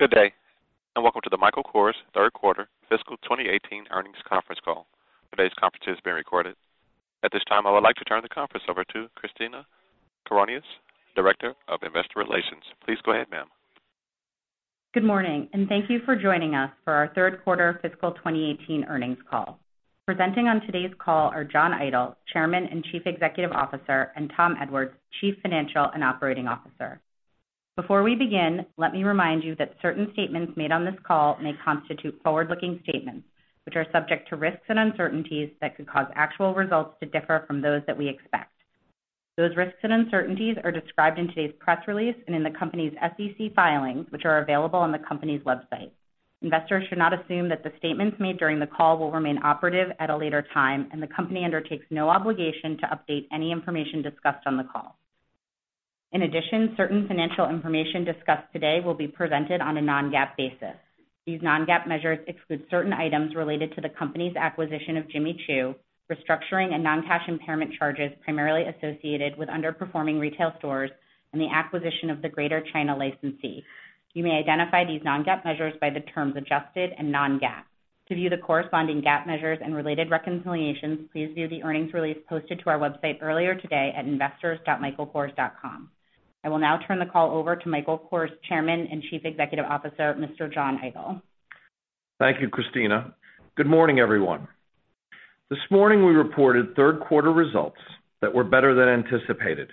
Good day. Welcome to the Michael Kors third quarter fiscal 2018 earnings conference call. Today's conference is being recorded. At this time, I would like to turn the conference over to Christina Coronios, Director of Investor Relations. Please go ahead, ma'am. Good morning. Thank you for joining us for our third quarter fiscal 2018 earnings call. Presenting on today's call are John Idol, Chairman and Chief Executive Officer, and Tom Edwards, Chief Financial and Operating Officer. Before we begin, let me remind you that certain statements made on this call may constitute forward-looking statements, which are subject to risks and uncertainties that could cause actual results to differ from those that we expect. Those risks and uncertainties are described in today's press release and in the company's SEC filings, which are available on the company's website. Investors should not assume that the statements made during the call will remain operative at a later time. The company undertakes no obligation to update any information discussed on the call. In addition, certain financial information discussed today will be presented on a non-GAAP basis. These non-GAAP measures exclude certain items related to the company's acquisition of Jimmy Choo, restructuring and non-cash impairment charges primarily associated with underperforming retail stores, and the acquisition of the Greater China licensee. You may identify these non-GAAP measures by the terms adjusted and non-GAAP. To view the corresponding GAAP measures and related reconciliations, please view the earnings release posted to our website earlier today at investors.michaelkors.com. I will now turn the call over to Michael Kors Chairman and Chief Executive Officer, Mr. John Idol. Thank you, Christina. Good morning, everyone. This morning, we reported third quarter results that were better than anticipated,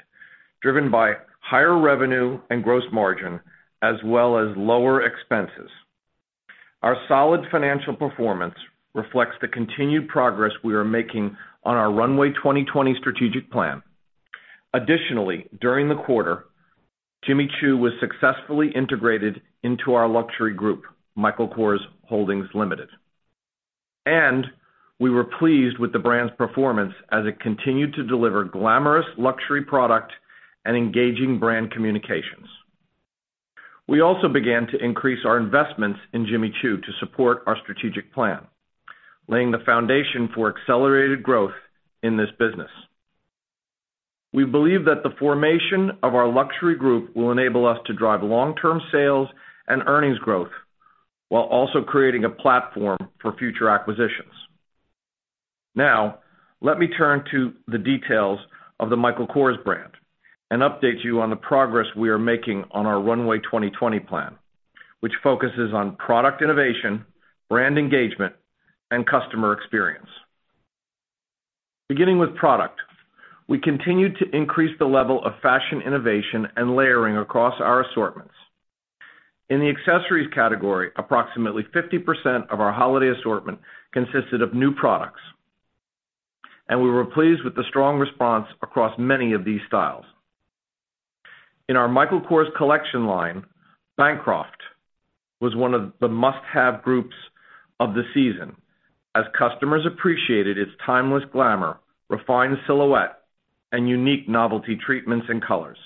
driven by higher revenue and gross margin, as well as lower expenses. Our solid financial performance reflects the continued progress we are making on our Runway 2020 strategic plan. Additionally, during the quarter, Jimmy Choo was successfully integrated into our luxury group, Michael Kors Holdings Limited. We were pleased with the brand's performance as it continued to deliver glamorous luxury product and engaging brand communications. We also began to increase our investments in Jimmy Choo to support our strategic plan, laying the foundation for accelerated growth in this business. We believe that the formation of our luxury group will enable us to drive long-term sales and earnings growth while also creating a platform for future acquisitions. Let me turn to the details of the Michael Kors brand and update you on the progress we are making on our Runway 2020 plan, which focuses on product innovation, brand engagement, and customer experience. Beginning with product, we continued to increase the level of fashion innovation and layering across our assortments. In the accessories category, approximately 50% of our holiday assortment consisted of new products, and we were pleased with the strong response across many of these styles. In our Michael Kors Collection line, Bancroft was one of the must-have groups of the season, as customers appreciated its timeless glamour, refined silhouette, and unique novelty treatments and colors.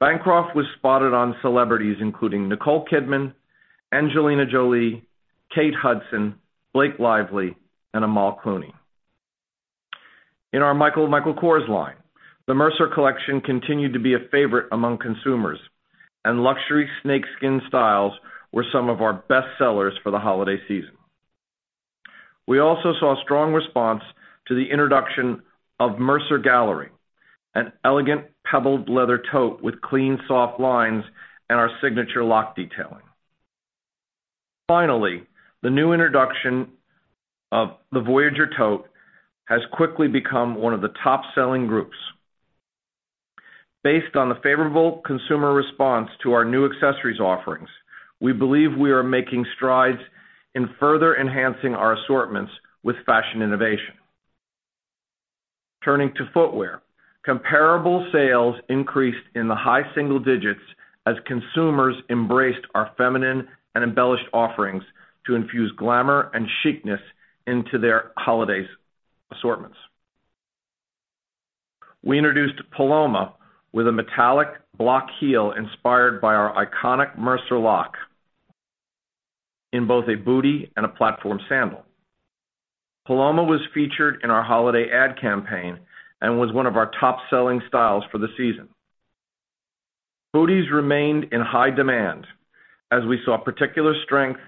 Bancroft was spotted on celebrities including Nicole Kidman, Angelina Jolie, Kate Hudson, Blake Lively, and Amal Clooney. In our Michael Michael Kors line, the Mercer collection continued to be a favorite among consumers, and luxury snakeskin styles were some of our best sellers for the holiday season. We also saw strong response to the introduction of Mercer Gallery, an elegant pebbled leather tote with clean, soft lines and our signature lock detailing. The new introduction of the Voyager tote has quickly become one of the top-selling groups. Based on the favorable consumer response to our new accessories offerings, we believe we are making strides in further enhancing our assortments with fashion innovation. Turning to footwear. Comparable sales increased in the high single digits as consumers embraced our feminine and embellished offerings to infuse glamour and chicness into their holidays assortments. We introduced Paloma with a metallic block heel inspired by our iconic Mercer lock in both a bootie and a platform sandal. Paloma was featured in our holiday ad campaign and was one of our top-selling styles for the season. Booties remained in high demand as we saw particular strength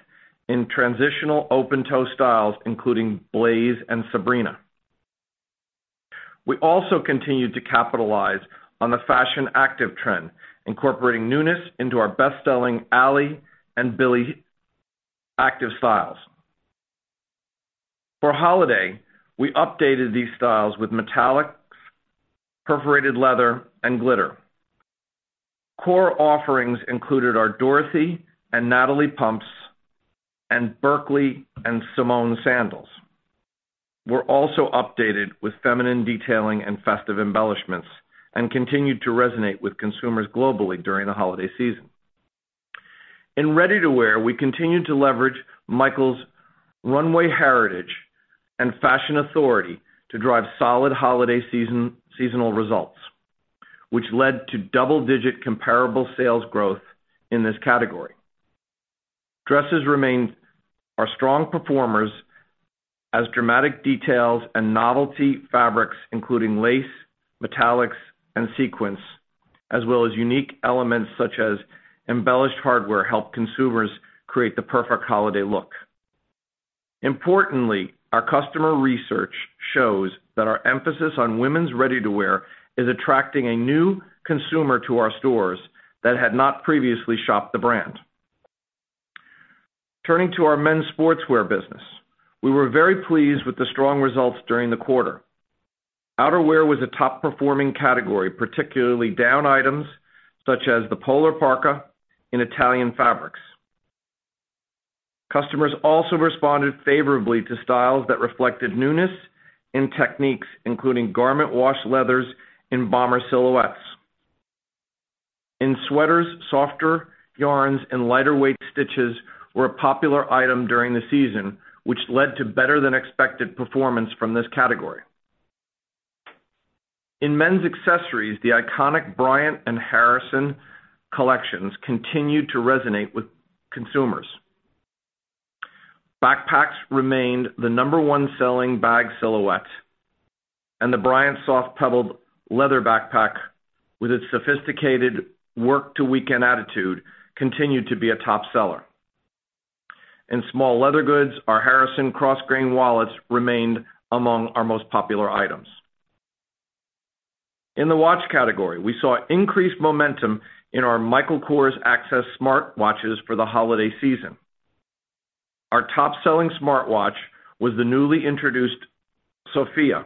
in transitional open-toe styles, including Blaze and Sabrina. We also continued to capitalize on the fashion active trend, incorporating newness into our best-selling Allie and Billie active styles. For holiday, we updated these styles with metallics, perforated leather, and glitter. Core offerings included our Dorothy and Natalie pumps, and Berkley and Simone sandals were also updated with feminine detailing and festive embellishments and continued to resonate with consumers globally during the holiday season. In ready-to-wear, we continued to leverage Michael's runway heritage and fashion authority to drive solid holiday seasonal results, which led to double-digit comparable sales growth in this category. Dresses remain our strong performers as dramatic details and novelty fabrics including lace, metallics, and sequins, as well as unique elements such as embellished hardware help consumers create the perfect holiday look. Our customer research shows that our emphasis on women's ready-to-wear is attracting a new consumer to our stores that had not previously shopped the brand. Turning to our men's sportswear business, we were very pleased with the strong results during the quarter. Outerwear was a top-performing category, particularly down items such as the polar parka in Italian fabrics. Customers also responded favorably to styles that reflected newness in techniques including garment-wash leathers in bomber silhouettes. In sweaters, softer yarns and lighter weight stitches were a popular item during the season, which led to better than expected performance from this category. In men's accessories, the iconic Bryant and Harrison collections continued to resonate with consumers. Backpacks remained the number one selling bag silhouette, and the Bryant soft pebbled leather backpack, with its sophisticated work-to-weekend attitude, continued to be a top seller. In small leather goods, our Harrison cross grain wallets remained among our most popular items. In the watch category, we saw increased momentum in our Michael Kors Access smartwatches for the holiday season. Our top-selling smartwatch was the newly introduced Sofie,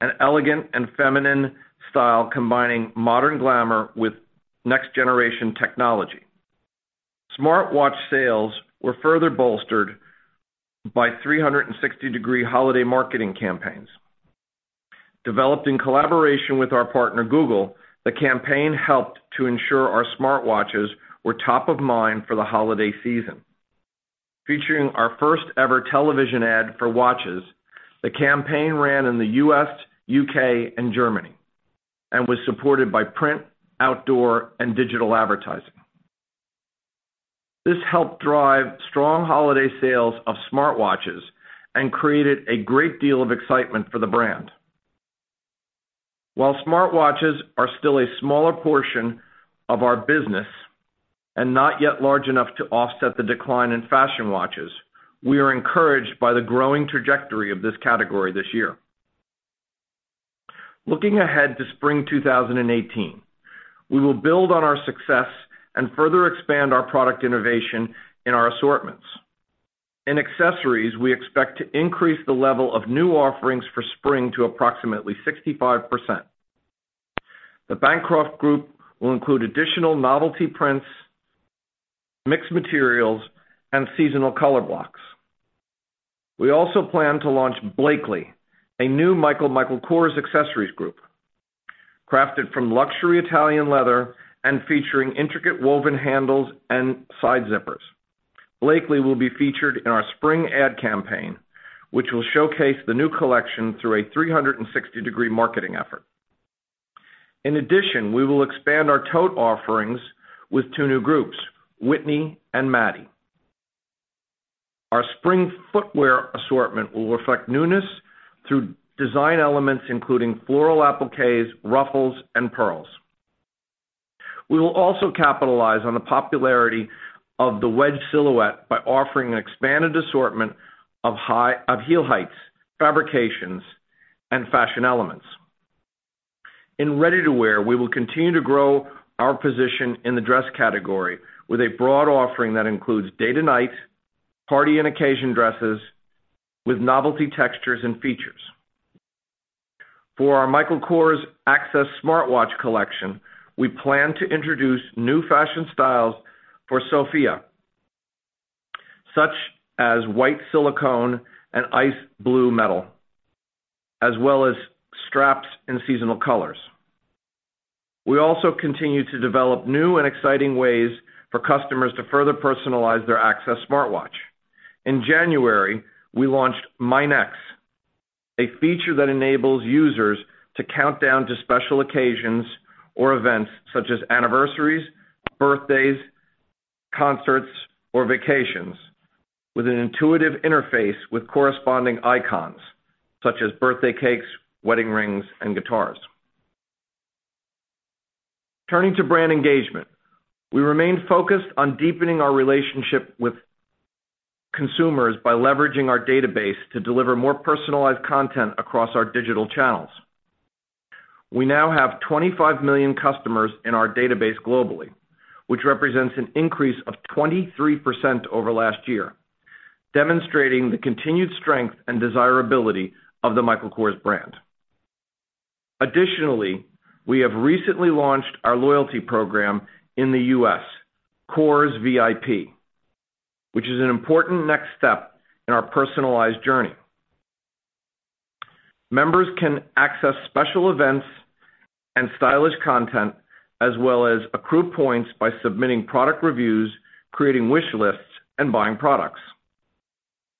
an elegant and feminine style combining modern glamour with next-generation technology. Smartwatch sales were further bolstered by 360-degree holiday marketing campaigns. Developed in collaboration with our partner, Google, the campaign helped to ensure our smartwatches were top of mind for the holiday season. Featuring our first-ever television ad for watches, the campaign ran in the U.S., U.K., and Germany, and was supported by print, outdoor, and digital advertising. This helped drive strong holiday sales of smartwatches and created a great deal of excitement for the brand. While smartwatches are still a smaller portion of our business and not yet large enough to offset the decline in fashion watches, we are encouraged by the growing trajectory of this category this year. Looking ahead to spring 2018, we will build on our success and further expand our product innovation in our assortments. In accessories, we expect to increase the level of new offerings for spring to approximately 65%. The Bancroft group will include additional novelty prints, mixed materials, and seasonal color blocks. We also plan to launch Blakely, a new Michael Kors accessories group. Crafted from luxury Italian leather and featuring intricate woven handles and side zippers. Blakely will be featured in our spring ad campaign, which will showcase the new collection through a 360-degree marketing effort. In addition, we will expand our tote offerings with two new groups, Whitney and Maddie. Our spring footwear assortment will reflect newness through design elements including floral appliques, ruffles, and pearls. We will also capitalize on the popularity of the wedge silhouette by offering an expanded assortment of heel heights, fabrications, and fashion elements. In ready-to-wear, we will continue to grow our position in the dress category with a broad offering that includes day to night, party and occasion dresses with novelty textures and features. For our Michael Kors Access smartwatch collection, we plan to introduce new fashion styles for Sofie, such as white silicone and ice blue metal, as well as straps in seasonal colors. We also continue to develop new and exciting ways for customers to further personalize their Access smartwatch. In January, we launched My Next, a feature that enables users to count down to special occasions or events such as anniversaries, birthdays, concerts, or vacations with an intuitive interface with corresponding icons such as birthday cakes, wedding rings, and guitars. Turning to brand engagement, we remain focused on deepening our relationship with consumers by leveraging our database to deliver more personalized content across our digital channels. We now have 25 million customers in our database globally, which represents an increase of 23% over last year, demonstrating the continued strength and desirability of the Michael Kors brand. Additionally, we have recently launched our loyalty program in the U.S., KORSVIP, which is an important next step in our personalized journey. Members can access special events and stylish content, as well as accrue points by submitting product reviews, creating wish lists, and buying products.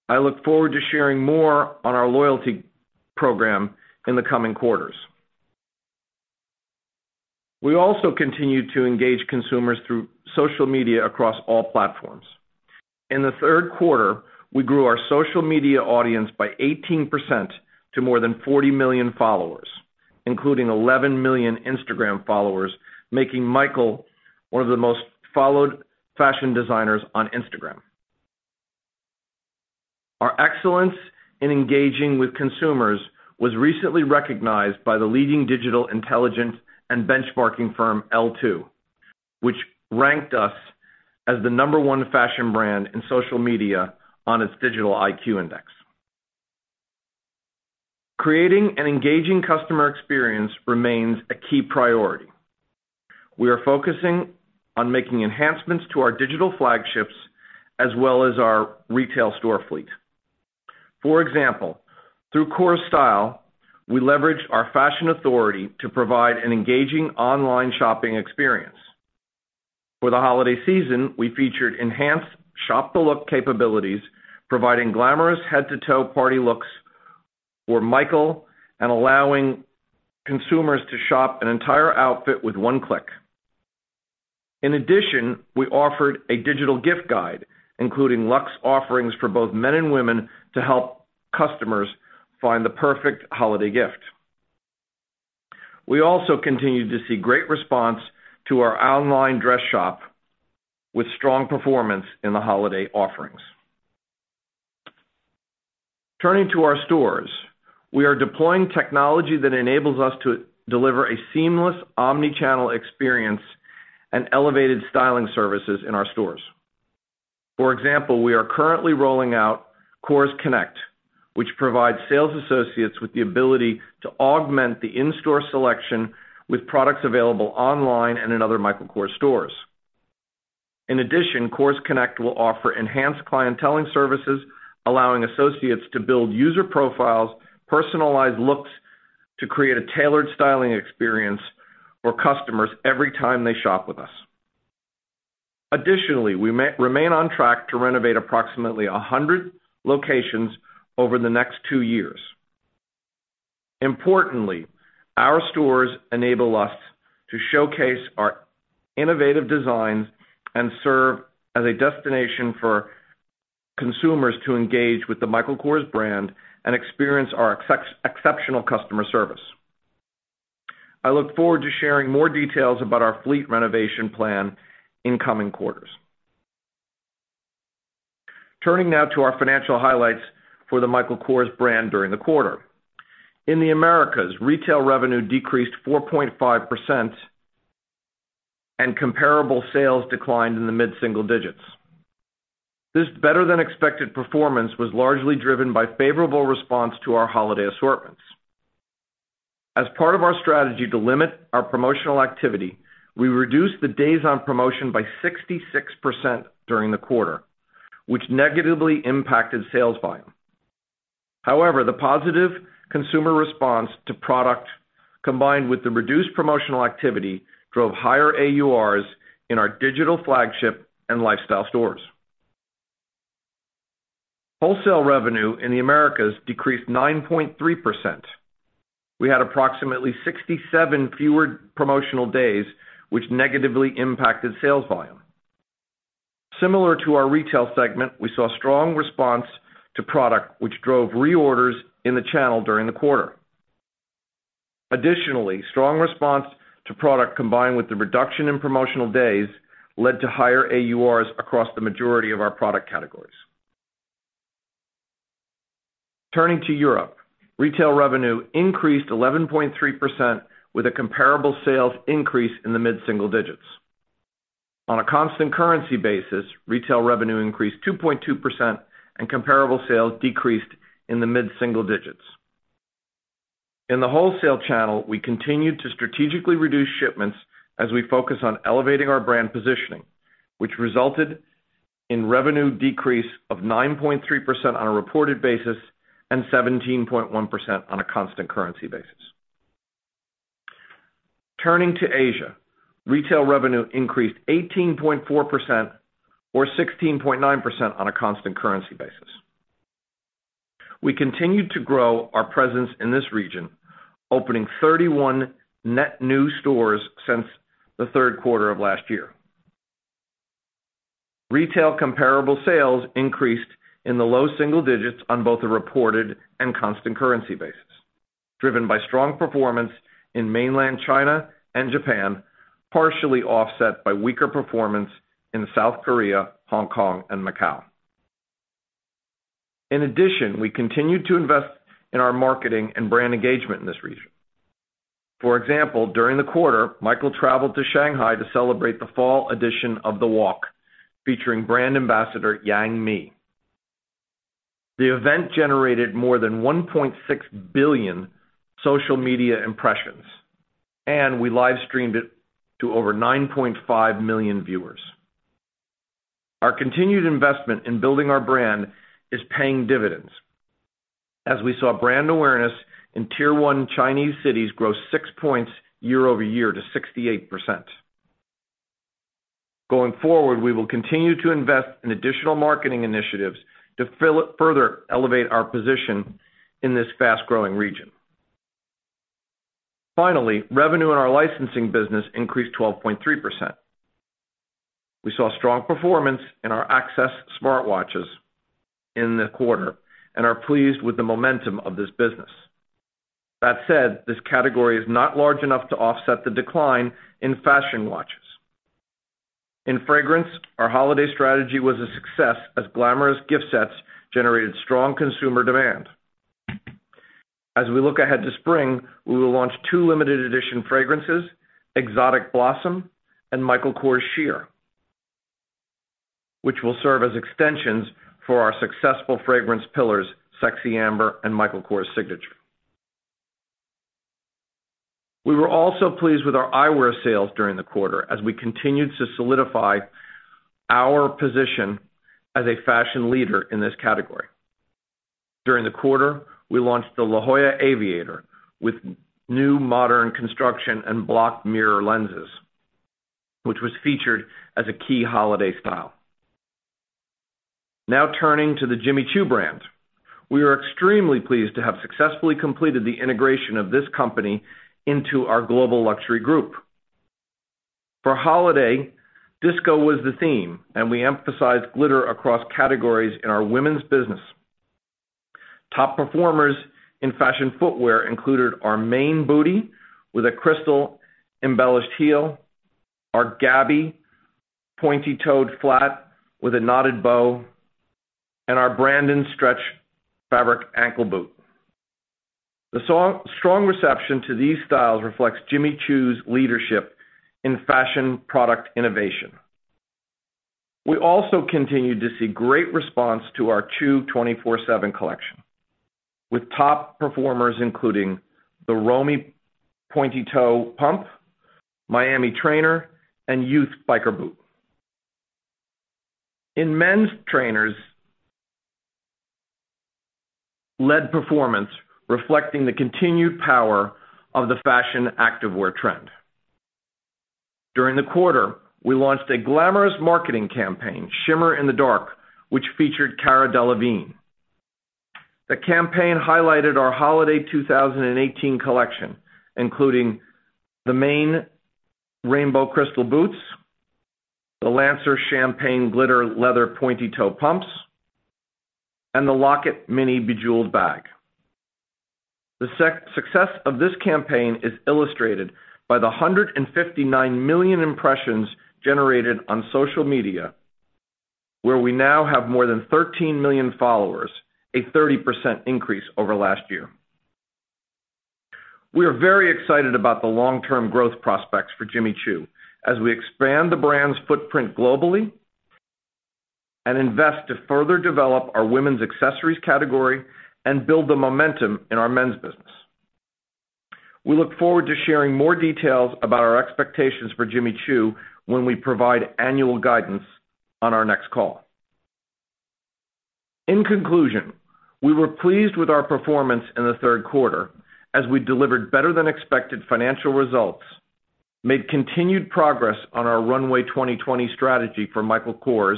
I look forward to sharing more on our loyalty program in the coming quarters. We also continued to engage consumers through social media across all platforms. In the third quarter, we grew our social media audience by 18% to more than 40 million followers, including 11 million Instagram followers, making Michael one of the most followed fashion designers on Instagram. Our excellence in engaging with consumers was recently recognized by the leading digital intelligence and benchmarking firm, L2, which ranked us as the number one fashion brand in social media on its Digital IQ index. Creating an engaging customer experience remains a key priority. We are focusing on making enhancements to our digital flagships as well as our retail store fleet. For example, through Kors Style, we leverage our fashion authority to provide an engaging online shopping experience. For the holiday season, we featured enhanced shop the look capabilities, providing glamorous head-to-toe party looks for Michael and allowing consumers to shop an entire outfit with one click. In addition, we offered a digital gift guide, including luxe offerings for both men and women, to help customers find the perfect holiday gift. We also continued to see great response to our online dress shop with strong performance in the holiday offerings. Turning to our stores, we are deploying technology that enables us to deliver a seamless omni-channel experience and elevated styling services in our stores. For example, we are currently rolling out Kors Connect, which provides sales associates with the ability to augment the in-store selection with products available online and in other Michael Kors stores. In addition, Kors Connect will offer enhanced clienteling services, allowing associates to build user profiles, personalized looks to create a tailored styling experience for customers every time they shop with us. Additionally, we remain on track to renovate approximately 100 locations over the next two years. Importantly, our stores enable us to showcase our innovative designs and serve as a destination for consumers to engage with the Michael Kors brand and experience our exceptional customer service. I look forward to sharing more details about our fleet renovation plan in coming quarters. Turning now to our financial highlights for the Michael Kors brand during the quarter. In the Americas, retail revenue decreased 4.5%, and comparable sales declined in the mid-single digits. This better-than-expected performance was largely driven by favorable response to our holiday assortments. As part of our strategy to limit our promotional activity, we reduced the days on promotion by 66% during the quarter, which negatively impacted sales volume. However, the positive consumer response to product, combined with the reduced promotional activity, drove higher AURs in our digital flagship and lifestyle stores. Wholesale revenue in the Americas decreased 9.3%. We had approximately 67 fewer promotional days, which negatively impacted sales volume. Similar to our retail segment, we saw strong response to product which drove reorders in the channel during the quarter. Additionally, strong response to product combined with the reduction in promotional days led to higher AURs across the majority of our product categories. Turning to Europe, retail revenue increased 11.3% with a comparable sales increase in the mid-single digits. On a constant currency basis, retail revenue increased 2.2%, and comparable sales decreased in the mid-single digits. In the wholesale channel, we continued to strategically reduce shipments as we focus on elevating our brand positioning, which resulted in revenue decrease of 9.3% on a reported basis and 17.1% on a constant currency basis. Turning to Asia, retail revenue increased 18.4%, or 16.9% on a constant currency basis. We continued to grow our presence in this region, opening 31 net new stores since the third quarter of last year. Retail comparable sales increased in the low single digits on both a reported and constant currency basis, driven by strong performance in mainland China and Japan, partially offset by weaker performance in South Korea, Hong Kong, and Macau. In addition, we continued to invest in our marketing and brand engagement in this region. For example, during the quarter, Michael traveled to Shanghai to celebrate the fall edition of The Walk, featuring brand ambassador Yang Mi. The event generated more than 1.6 billion social media impressions. We live-streamed it to over 9.5 million viewers. Our continued investment in building our brand is paying dividends as we saw brand awareness in Tier 1 Chinese cities grow six points year-over-year to 68%. We will continue to invest in additional marketing initiatives to further elevate our position in this fast-growing region. Revenue in our licensing business increased 12.3%. We saw strong performance in our Access smartwatches in the quarter and are pleased with the momentum of this business. That said, this category is not large enough to offset the decline in fashion watches. In fragrance, our holiday strategy was a success as glamorous gift sets generated strong consumer demand. As we look ahead to spring, we will launch two limited edition fragrances, Exotic Blossom and Michael Kors Sheer, which will serve as extensions for our successful fragrance pillars, Sexy Amber and Michael Kors Signature. We were also pleased with our eyewear sales during the quarter as we continued to solidify our position as a fashion leader in this category. During the quarter, we launched the La Jolla Aviator with new modern construction and block mirror lenses, which was featured as a key holiday style. Turning to the Jimmy Choo brand. We are extremely pleased to have successfully completed the integration of this company into our global luxury group. For holiday, disco was the theme. We emphasized glitter across categories in our women's business. Top performers in fashion footwear included our Main bootie with a crystal-embellished heel, our Gabby pointy-toed flat with a knotted bow, and our Brandon stretch fabric ankle boot. The strong reception to these styles reflects Jimmy Choo's leadership in fashion product innovation. We also continued to see great response to our Choo 24/7 collection, with top performers including the Romy pointy toe pump, Miami trainer, and Youth biker boot. In men's trainers, led performance reflecting the continued power of the fashion activewear trend. During the quarter, we launched a glamorous marketing campaign, Shimmer in the Dark, which featured Cara Delevingne. The campaign highlighted our holiday 2018 collection, including the Main rainbow crystal boots, the Lancer champagne glitter leather pointy-toe pumps, and the Lockett mini bejeweled bag. The success of this campaign is illustrated by the 159 million impressions generated on social media, where we now have more than 13 million followers, a 30% increase over last year. We are very excited about the long-term growth prospects for Jimmy Choo as we expand the brand's footprint globally and invest to further develop our women's accessories category and build the momentum in our men's business. We look forward to sharing more details about our expectations for Jimmy Choo when we provide annual guidance on our next call. In conclusion, we were pleased with our performance in the third quarter as we delivered better-than-expected financial results, made continued progress on our Runway 2020 strategy for Michael Kors,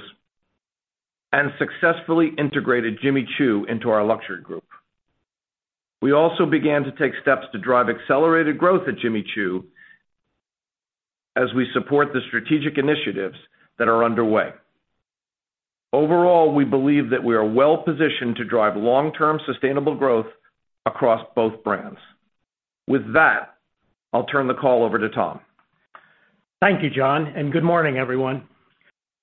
and successfully integrated Jimmy Choo into our luxury group. We also began to take steps to drive accelerated growth at Jimmy Choo as we support the strategic initiatives that are underway. Overall, we believe that we are well-positioned to drive long-term sustainable growth across both brands. With that, I'll turn the call over to Tom. Thank you, John, and good morning, everyone.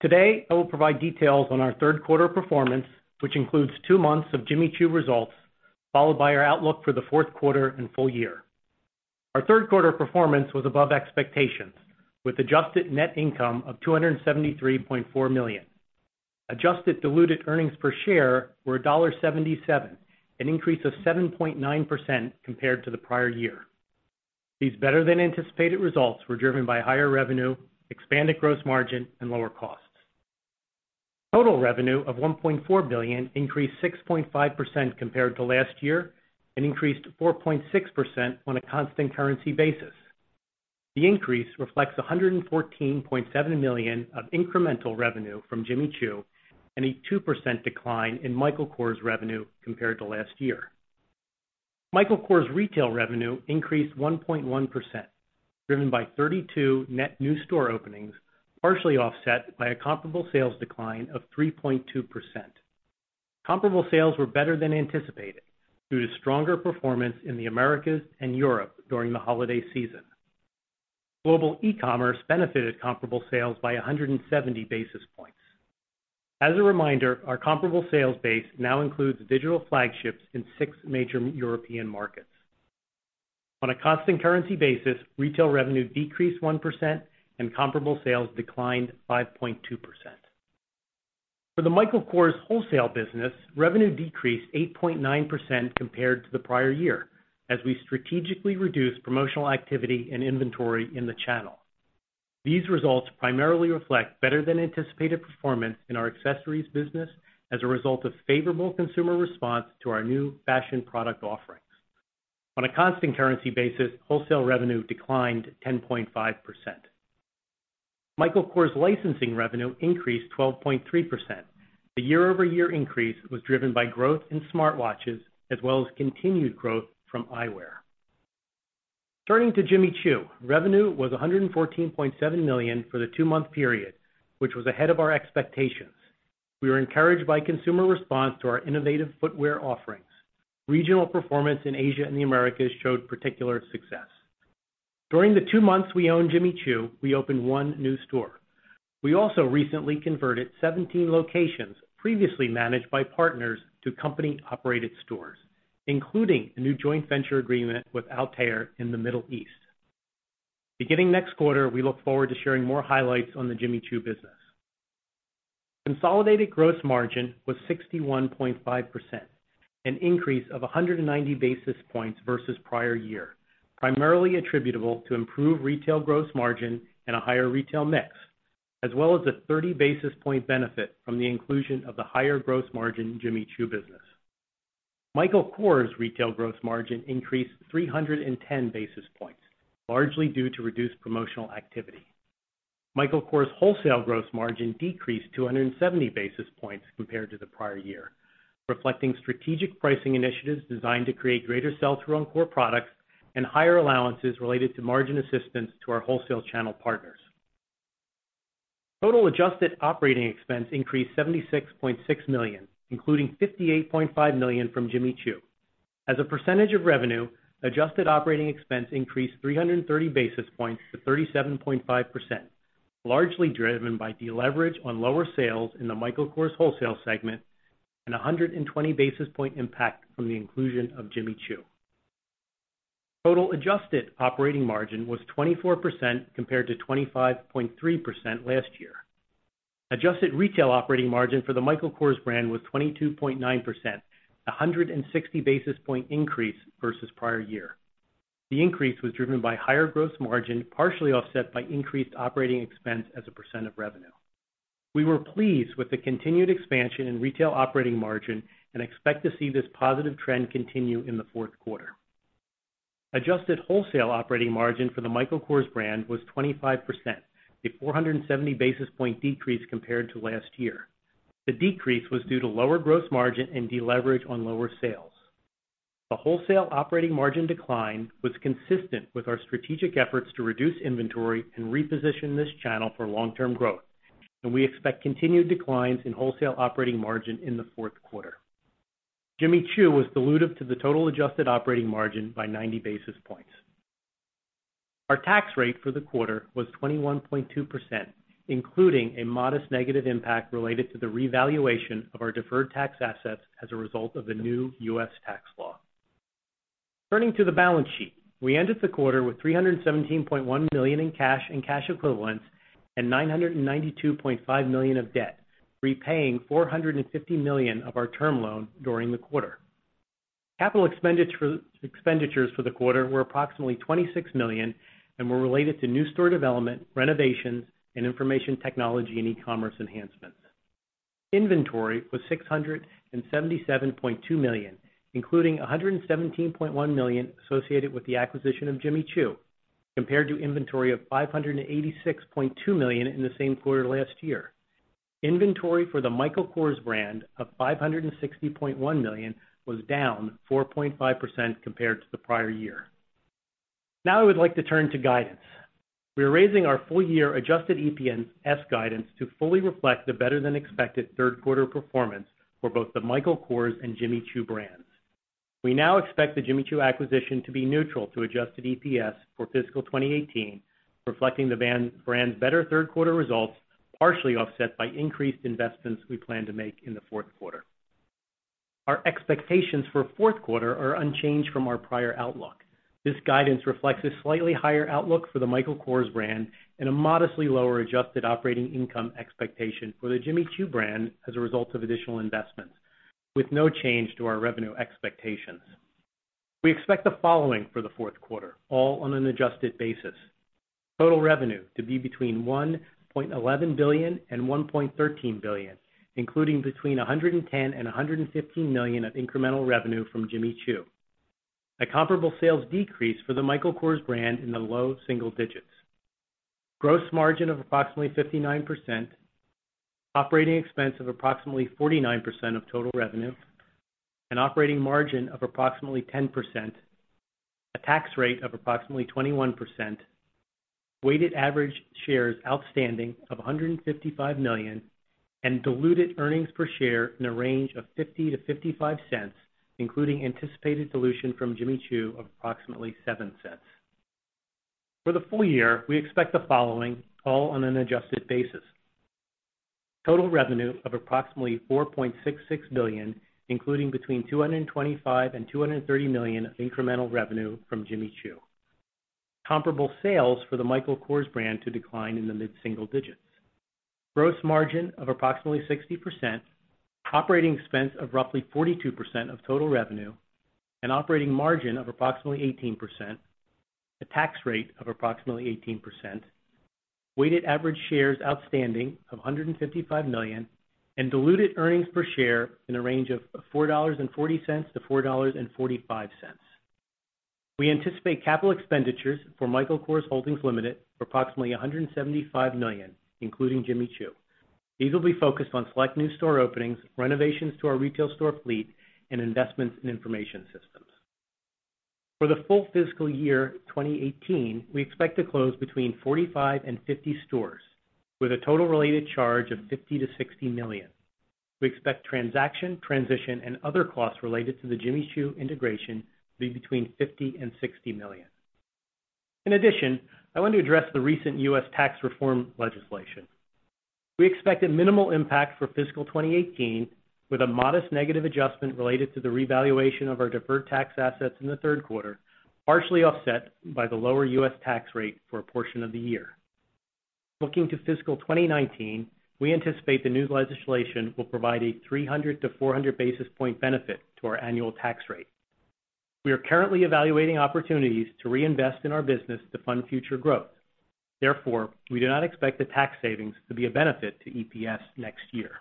Today, I will provide details on our third quarter performance, which includes two months of Jimmy Choo results, followed by our outlook for the fourth quarter and full year. Our third quarter performance was above expectations, with adjusted net income of $273.4 million. Adjusted diluted earnings per share were $1.77, an increase of 7.9% compared to the prior year. These better-than-anticipated results were driven by higher revenue, expanded gross margin, and lower costs. Total revenue of $1.4 billion increased 6.5% compared to last year and increased 4.6% on a constant currency basis. The increase reflects $114.7 million of incremental revenue from Jimmy Choo and a 2% decline in Michael Kors revenue compared to last year. Michael Kors retail revenue increased 1.1%, driven by 32 net new store openings, partially offset by a comparable sales decline of 3.2%. Comparable sales were better than anticipated due to stronger performance in the Americas and Europe during the holiday season. Global e-commerce benefited comparable sales by 170 basis points. As a reminder, our comparable sales base now includes digital flagships in six major European markets. On a constant currency basis, retail revenue decreased 1% and comparable sales declined 5.2%. For the Michael Kors wholesale business, revenue decreased 8.9% compared to the prior year, as we strategically reduced promotional activity and inventory in the channel. These results primarily reflect better-than-anticipated performance in our accessories business as a result of favorable consumer response to our new fashion product offerings. On a constant currency basis, wholesale revenue declined 10.5%. Michael Kors licensing revenue increased 12.3%. The year-over-year increase was driven by growth in smartwatches as well as continued growth from eyewear. Turning to Jimmy Choo. Revenue was $114.7 million for the two-month period, which was ahead of our expectations. We were encouraged by consumer response to our innovative footwear offerings. Regional performance in Asia and the Americas showed particular success. During the two months we owned Jimmy Choo, we opened one new store. We also recently converted 17 locations previously managed by partners to company-operated stores, including a new joint venture agreement with Al Tayer in the Middle East. Beginning next quarter, we look forward to sharing more highlights on the Jimmy Choo business. Consolidated gross margin was 61.5%, an increase of 190 basis points versus prior year, primarily attributable to improved retail gross margin and a higher retail mix, as well as a 30 basis point benefit from the inclusion of the higher gross margin Jimmy Choo business. Michael Kors retail gross margin increased 310 basis points, largely due to reduced promotional activity. Michael Kors wholesale gross margin decreased 270 basis points compared to the prior year, reflecting strategic pricing initiatives designed to create greater sell-through on core products and higher allowances related to margin assistance to our wholesale channel partners. Total adjusted operating expense increased to $76.6 million, including $58.5 million from Jimmy Choo. As a percentage of revenue, adjusted operating expense increased 330 basis points to 37.5%, largely driven by deleverage on lower sales in the Michael Kors wholesale segment and 120 basis point impact from the inclusion of Jimmy Choo. Total adjusted operating margin was 24% compared to 25.3% last year. Adjusted retail operating margin for the Michael Kors brand was 22.9%, a 160 basis point increase versus the prior year. The increase was driven by higher gross margin, partially offset by increased operating expense as a percent of revenue. We were pleased with the continued expansion in retail operating margin and expect to see this positive trend continue in the fourth quarter. Adjusted wholesale operating margin for the Michael Kors brand was 25%, a 470 basis point decrease compared to last year. The decrease was due to lower gross margin and deleverage on lower sales. The wholesale operating margin decline was consistent with our strategic efforts to reduce inventory and reposition this channel for long-term growth, and we expect continued declines in wholesale operating margin in the fourth quarter. Jimmy Choo was dilutive to the total adjusted operating margin by 90 basis points. Our tax rate for the quarter was 21.2%, including a modest negative impact related to the revaluation of our deferred tax assets as a result of the new U.S. tax law. Turning to the balance sheet. We ended the quarter with $317.1 million in cash and cash equivalents and $992.5 million of debt, repaying $450 million of our term loan during the quarter. Capital expenditures for the quarter were approximately $26 million and were related to new store development, renovations, and information technology and e-commerce enhancements. Inventory was $677.2 million, including $117.1 million associated with the acquisition of Jimmy Choo, compared to inventory of $586.2 million in the same quarter last year. Inventory for the Michael Kors brand of $560.1 million was down 4.5% compared to the prior year. Now I would like to turn to guidance. We are raising our full-year adjusted EPS guidance to fully reflect the better-than-expected third-quarter performance for both the Michael Kors and Jimmy Choo brands. We now expect the Jimmy Choo acquisition to be neutral to adjusted EPS for fiscal 2018, reflecting the brand's better third-quarter results, partially offset by increased investments we plan to make in the fourth quarter. Our expectations for the fourth quarter are unchanged from our prior outlook. This guidance reflects a slightly higher outlook for the Michael Kors brand and a modestly lower adjusted operating income expectation for the Jimmy Choo brand as a result of additional investments, with no change to our revenue expectations. We expect the following for the fourth quarter, all on an adjusted basis. Total revenue to be between $1.11 billion-$1.13 billion, including between $110 million-$115 million of incremental revenue from Jimmy Choo. A comparable sales decrease for the Michael Kors brand in the low single digits. Gross margin of approximately 59%. Operating expense of approximately 49% of total revenue. An operating margin of approximately 10%. A tax rate of approximately 21%. Weighted average shares outstanding of 155 million. Diluted earnings per share in the range of $0.50-$0.55, including anticipated dilution from Jimmy Choo of approximately $0.07. For the full year, we expect the following, all on an adjusted basis. Total revenue of approximately $4.66 billion, including between $225 million-$230 million of incremental revenue from Jimmy Choo. Comparable sales for the Michael Kors brand to decline in the mid-single digits. Gross margin of approximately 60%. Operating expense of roughly 42% of total revenue. An operating margin of approximately 18%. A tax rate of approximately 18%. Weighted average shares outstanding of 155 million and diluted earnings per share in the range of $4.40-$4.45. We anticipate capital expenditures for Michael Kors Holdings Limited for approximately $175 million, including Jimmy Choo. These will be focused on select new store openings, renovations to our retail store fleet, and investments in information systems. For the full fiscal year 2018, we expect to close between 45-50 stores with a total related charge of $50 million-$60 million. We expect transaction, transition, and other costs related to the Jimmy Choo integration to be between $50 million-$60 million. In addition, I want to address the recent U.S. tax reform legislation. We expect a minimal impact for fiscal 2018, with a modest negative adjustment related to the revaluation of our deferred tax assets in the third quarter, partially offset by the lower U.S. tax rate for a portion of the year. Looking to fiscal 2019, we anticipate the new legislation will provide a 300-400 basis point benefit to our annual tax rate. We are currently evaluating opportunities to reinvest in our business to fund future growth. Therefore, we do not expect the tax savings to be a benefit to EPS next year.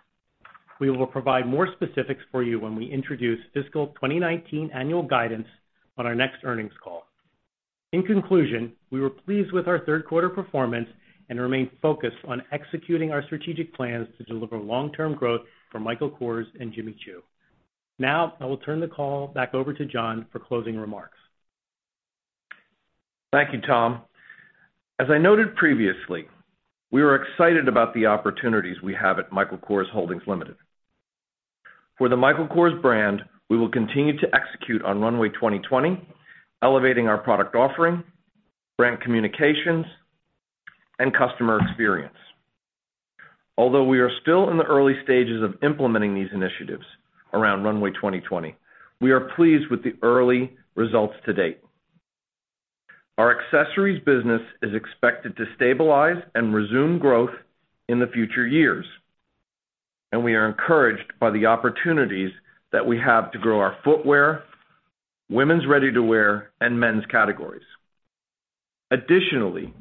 We will provide more specifics for you when we introduce fiscal 2019 annual guidance on our next earnings call. In conclusion, we were pleased with our third quarter performance and remain focused on executing our strategic plans to deliver long-term growth for Michael Kors and Jimmy Choo. I will turn the call back over to John for closing remarks. Thank you, Tom. As I noted previously, we are excited about the opportunities we have at Michael Kors Holdings Limited. For the Michael Kors brand, we will continue to execute on Runway 2020, elevating our product offering, brand communications, and customer experience. Although we are still in the early stages of implementing these initiatives around Runway 2020, we are pleased with the early results to date. Our accessories business is expected to stabilize and resume growth in the future years. We are encouraged by the opportunities that we have to grow our footwear, women's ready-to-wear, and men's categories. Additionally,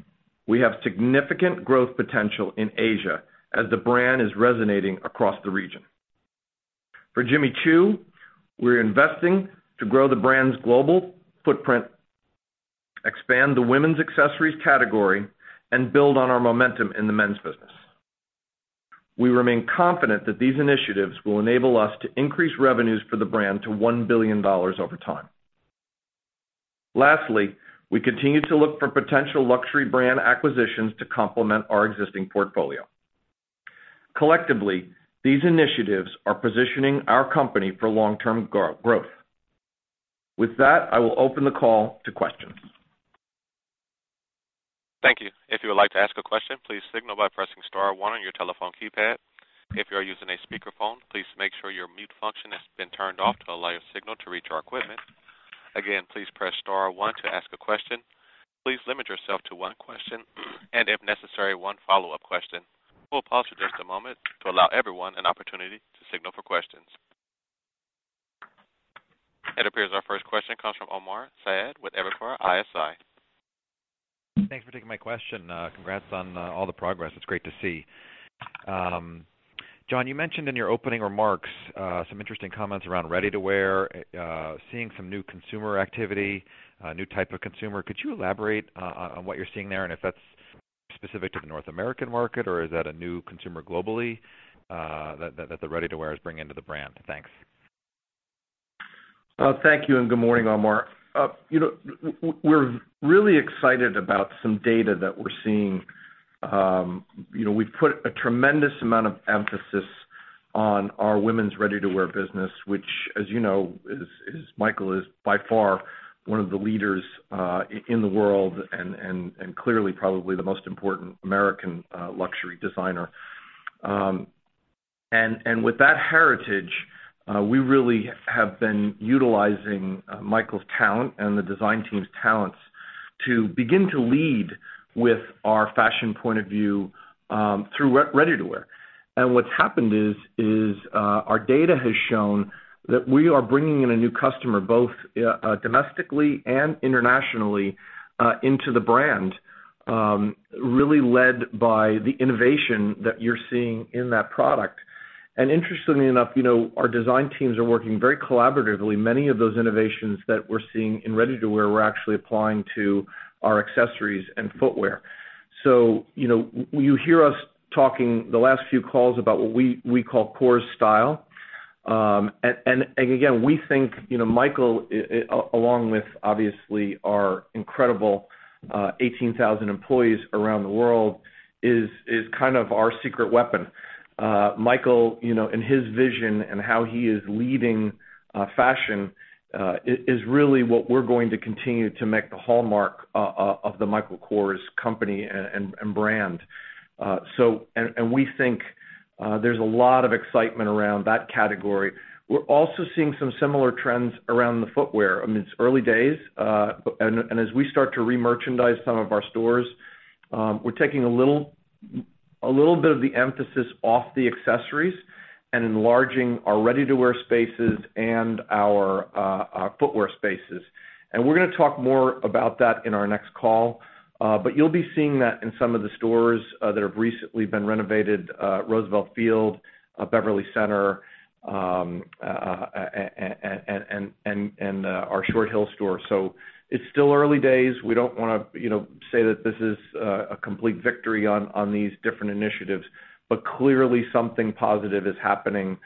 we have significant growth potential in Asia as the brand is resonating across the region. For Jimmy Choo, we're investing to grow the brand's global footprint, expand the women's accessories category, and build on our momentum in the men's business. We remain confident that these initiatives will enable us to increase revenues for the brand to $1 billion over time. We continue to look for potential luxury brand acquisitions to complement our existing portfolio. Collectively, these initiatives are positioning our company for long-term growth. With that, I will open the call to questions. Thank you. If you would like to ask a question, please signal by pressing star one on your telephone keypad. If you are using a speakerphone, please make sure your mute function has been turned off to allow your signal to reach our equipment. Again, please press star one to ask a question. Please limit yourself to one question and, if necessary, one follow-up question. We'll pause for just a moment to allow everyone an opportunity to signal for questions. It appears our first question comes from Omar Saad with Evercore ISI. Thanks for taking my question. Congrats on all the progress. It's great to see. John, you mentioned in your opening remarks some interesting comments around ready-to-wear, seeing some new consumer activity, a new type of consumer. Could you elaborate on what you're seeing there and if that's specific to the North American market, or is that a new consumer globally that the ready-to-wear is bringing to the brand? Thanks. Thank you, good morning, Omar. We're really excited about some data that we're seeing. We've put a tremendous amount of emphasis on our women's ready-to-wear business, which, as you know, Michael is by far one of the leaders in the world and clearly probably the most important American luxury designer. With that heritage, we really have been utilizing Michael's talent and the design team's talents to begin to lead with our fashion point of view through ready-to-wear. What's happened is our data has shown that we are bringing in a new customer, both domestically and internationally, into the brand really led by the innovation that you're seeing in that product. Interestingly enough, our design teams are working very collaboratively. Many of those innovations that we're seeing in ready-to-wear, we're actually applying to our accessories and footwear. You hear us talking the last few calls about what we call Kors Style. Again, we think Michael, along with obviously our incredible 18,000 employees around the world, is our secret weapon. Michael, and his vision and how he is leading fashion is really what we're going to continue to make the hallmark of the Michael Kors company and brand. We think there's a lot of excitement around that category. We're also seeing some similar trends around the footwear. It's early days, as we start to re-merchandise some of our stores, we're taking a little bit of the emphasis off the accessories and enlarging our ready-to-wear spaces and our footwear spaces. We're going to talk more about that in our next call. You'll be seeing that in some of the stores that have recently been renovated, Roosevelt Field, Beverly Center, and our Short Hills store. It's still early days. We don't want to say that this is a complete victory on these different initiatives, but clearly something positive is happening,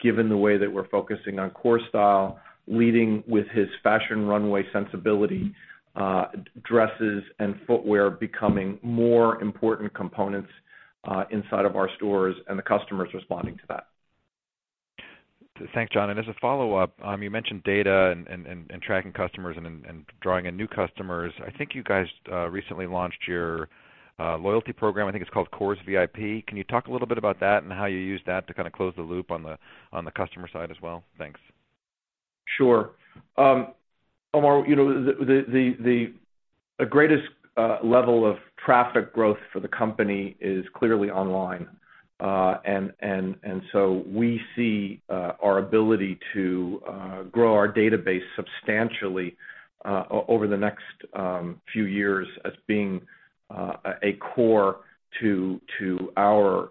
given the way that we're focusing on Kors Style, leading with his fashion runway sensibility, dresses and footwear becoming more important components inside of our stores and the customers responding to that. Thanks, John. As a follow-up, you mentioned data and tracking customers and drawing in new customers. I think you guys recently launched your loyalty program. I think it's called KORSVIP. Can you talk a little bit about that and how you use that to close the loop on the customer side as well? Thanks. Sure. Omar, the greatest level of traffic growth for the company is clearly online. We see our ability to grow our database substantially over the next few years as being a core to our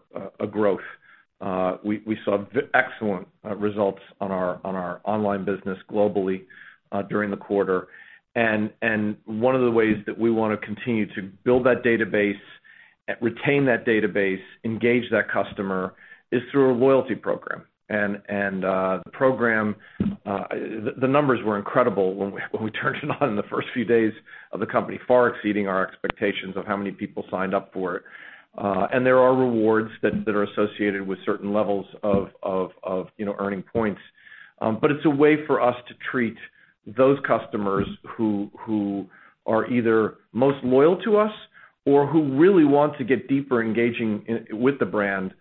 growth. We saw excellent results on our online business globally during the quarter. One of the ways that we want to continue to build that database, retain that database, engage that customer is through a loyalty program. The program, the numbers were incredible when we turned it on the first few days of the company, far exceeding our expectations of how many people signed up for it. There are rewards that are associated with certain levels of earning points. It's a way for us to treat those customers who are either most loyal to us or who really want to get deeper engaging with the brand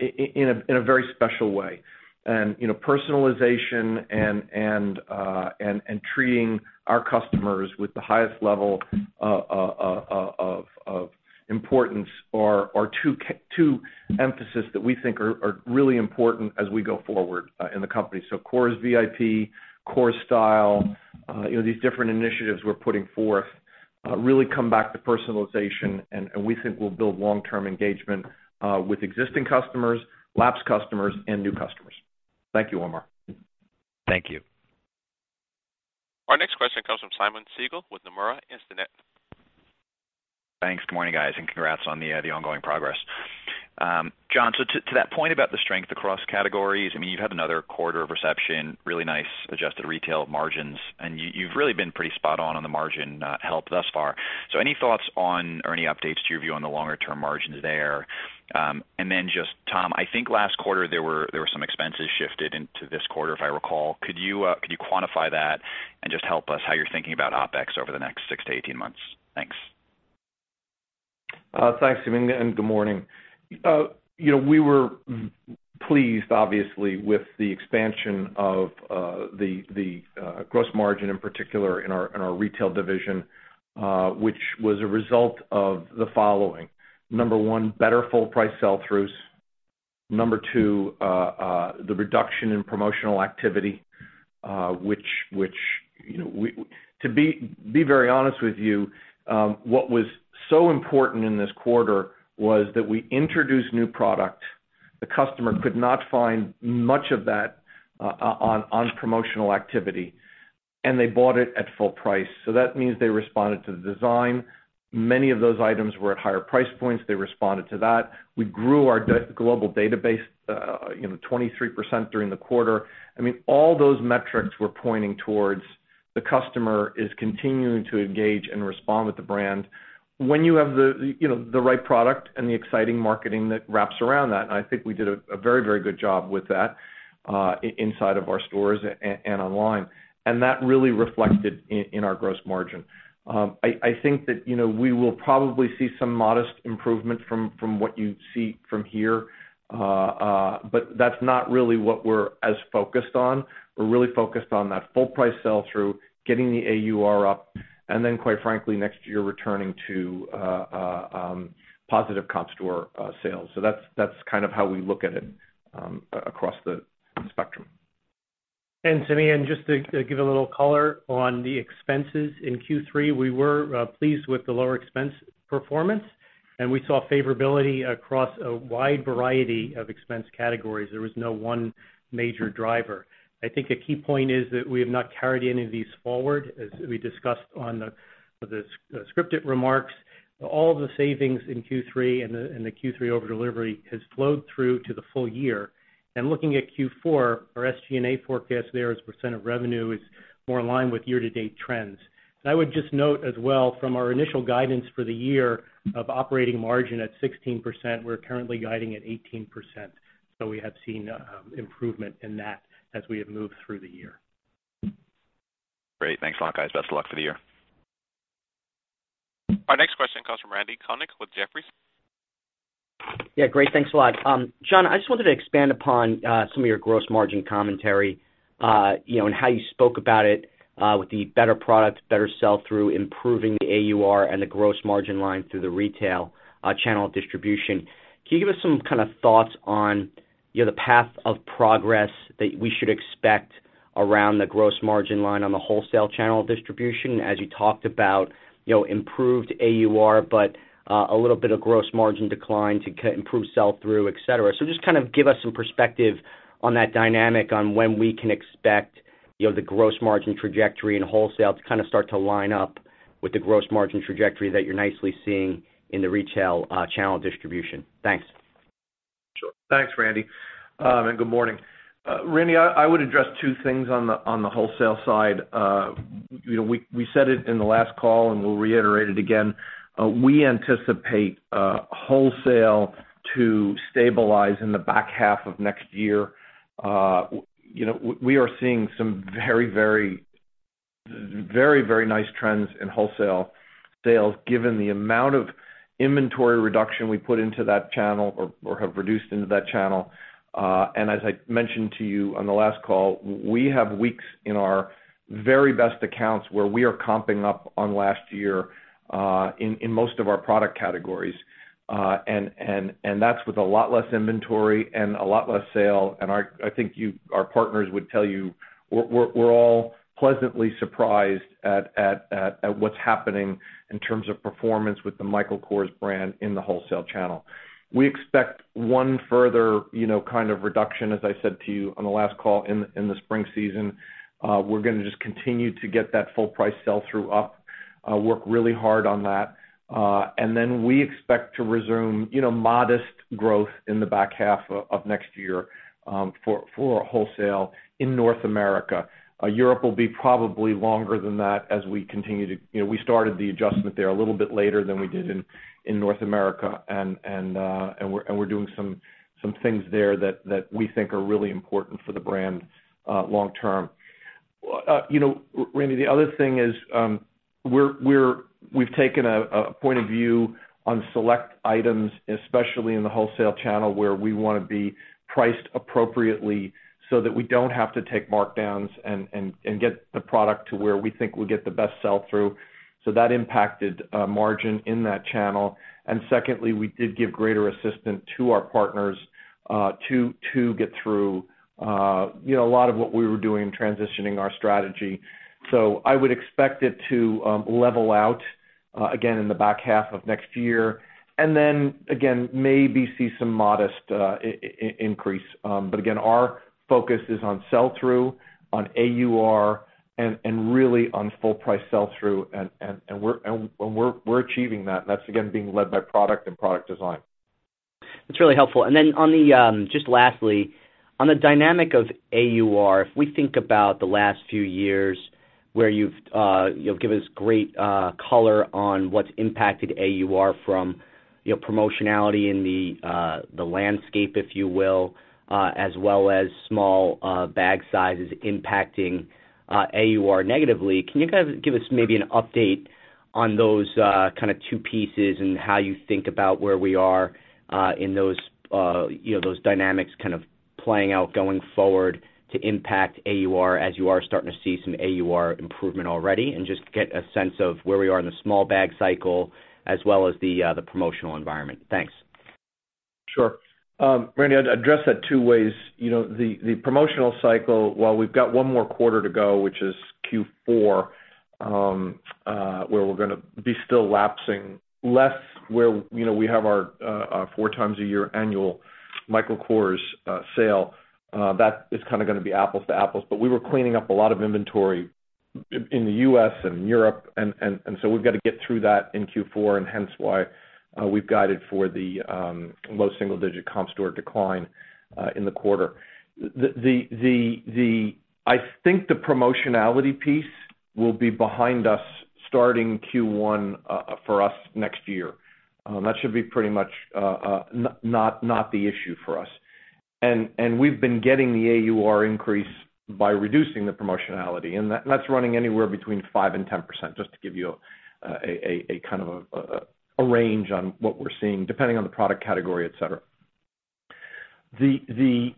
in a very special way. Personalization and treating our customers with the highest level of importance are two emphasis that we think are really important as we go forward in the company. KorsVIP, Kors Style, these different initiatives we're putting forth really come back to personalization, and we think will build long-term engagement with existing customers, lapsed customers, and new customers. Thank you, Omar. Thank you. Our next question comes from Simeon Siegel with Nomura Instinet. Thanks. Good morning, guys, and congrats on the ongoing progress. John, to that point about the strength across categories, you've had another quarter of reception, really nice adjusted retail margins, and you've really been pretty spot on the margin help thus far. Any thoughts on or any updates to your view on the longer-term margins there? Tom, I think last quarter there were some expenses shifted into this quarter, if I recall. Could you quantify that and just help us how you're thinking about OpEx over the next six to 18 months? Thanks. Thanks, Simeon, and good morning. We were pleased, obviously, with the expansion of the gross margin, in particular in our retail division, which was a result of the following. Number 1, better full price sell-throughs. Number 2, the reduction in promotional activity, which to be very honest with you, what was so important in this quarter was that we introduced new product. The customer could not find much of that on promotional activity, and they bought it at full price. That means they responded to the design. Many of those items were at higher price points. They responded to that. We grew our global database, 23% during the quarter. All those metrics were pointing towards the customer is continuing to engage and respond with the brand. When you have the right product and the exciting marketing that wraps around that, and I think we did a very good job with that inside of our stores and online, and that really reflected in our gross margin. I think that we will probably see some modest improvement from what you see from here. That's not really what we're as focused on. We're really focused on that full price sell-through, getting the AUR up, and then quite frankly, next year, returning to positive comp store sales. That's how we look at it across the spectrum. Simeon, just to give a little color on the expenses in Q3. We were pleased with the lower expense performance, and we saw favorability across a wide variety of expense categories. There was no one major driver. I think a key point is that we have not carried any of these forward. As we discussed on the scripted remarks, all the savings in Q3 and the Q3 over delivery has flowed through to the full year. Looking at Q4, our SG&A forecast there as a % of revenue is more in line with year-to-date trends. I would just note as well from our initial guidance for the year of operating margin at 16%, we're currently guiding at 18%. We have seen improvement in that as we have moved through the year. Great. Thanks a lot, guys. Best of luck for the year. Our next question comes from Randy Konik with Jefferies. Great. Thanks a lot. John, I just wanted to expand upon some of your gross margin commentary, and how you spoke about it with the better product, better sell-through, improving the AUR and the gross margin line through the retail channel of distribution. Can you give us some thoughts on the path of progress that we should expect around the gross margin line on the wholesale channel of distribution, as you talked about improved AUR, but a little bit of gross margin decline to improve sell-through, et cetera. Just give us some perspective on that dynamic on when we can expect the gross margin trajectory and wholesale to start to line up with the gross margin trajectory that you're nicely seeing in the retail channel distribution. Thanks. Sure. Thanks, Randy, and good morning. Randy, I would address two things on the wholesale side. We said it in the last call and we'll reiterate it again. We anticipate wholesale to stabilize in the back half of next year. We are seeing some very nice trends in wholesale sales given the amount of inventory reduction we put into that channel or have reduced into that channel. As I mentioned to you on the last call, we have weeks in our very best accounts where we are comping up on last year, in most of our product categories. That's with a lot less inventory and a lot less sale. I think our partners would tell you, we're all pleasantly surprised at what's happening in terms of performance with the Michael Kors brand in the wholesale channel. We expect one further reduction, as I said to you on the last call, in the spring season. We're going to continue to get that full price sell-through up, work really hard on that. We expect to resume modest growth in the back half of next year, for wholesale in North America. Europe will be probably longer than that as we continue. We started the adjustment there a little bit later than we did in North America. We're doing some things there that we think are really important for the brand long term. Randy, the other thing is, we've taken a point of view on select items, especially in the wholesale channel, where we want to be priced appropriately so that we don't have to take markdowns, and get the product to where we think we'll get the best sell-through. That impacted margin in that channel. Secondly, we did give greater assistance to our partners to get through a lot of what we were doing in transitioning our strategy. I would expect it to level out again in the back half of next year. Again, maybe see some modest increase. Again, our focus is on sell-through, on AUR, and really on full price sell-through, and we're achieving that, and that's again being led by product and product design. That's really helpful. Just lastly, on the dynamic of AUR, if we think about the last few years where you've given us great color on what's impacted AUR from promotionality in the landscape, if you will, as well as small bag sizes impacting AUR negatively. Can you guys give us maybe an update on those two pieces and how you think about where we are in those dynamics playing out going forward to impact AUR as you are starting to see some AUR improvement already? Just get a sense of where we are in the small bag cycle as well as the promotional environment. Thanks. Sure. Randy, I'd address that two ways. The promotional cycle, while we've got one more quarter to go, which is Q4, where we're going to be still lapsing less, where we have our four times a year annual Michael Kors sale. That is going to be apples to apples. We were cleaning up a lot of inventory in the U.S. and Europe. We've got to get through that in Q4, and hence why we've guided for the low single-digit comp store decline in the quarter. I think the promotionality piece will be behind us starting Q1 for us next year. That should be pretty much not the issue for us. We've been getting the AUR increase by reducing the promotionality. That's running anywhere between 5%-10%, just to give you a range on what we're seeing, depending on the product category, et cetera. The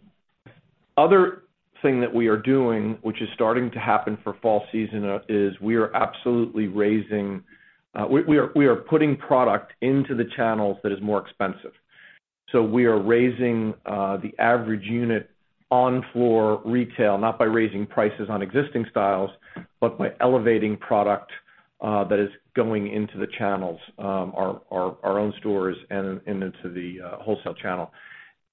other thing that we are doing, which is starting to happen for fall season, is we are absolutely putting product into the channels that is more expensive. We are raising the average unit on floor retail, not by raising prices on existing styles, but by elevating product that is going into the channels, our own stores and into the wholesale channel.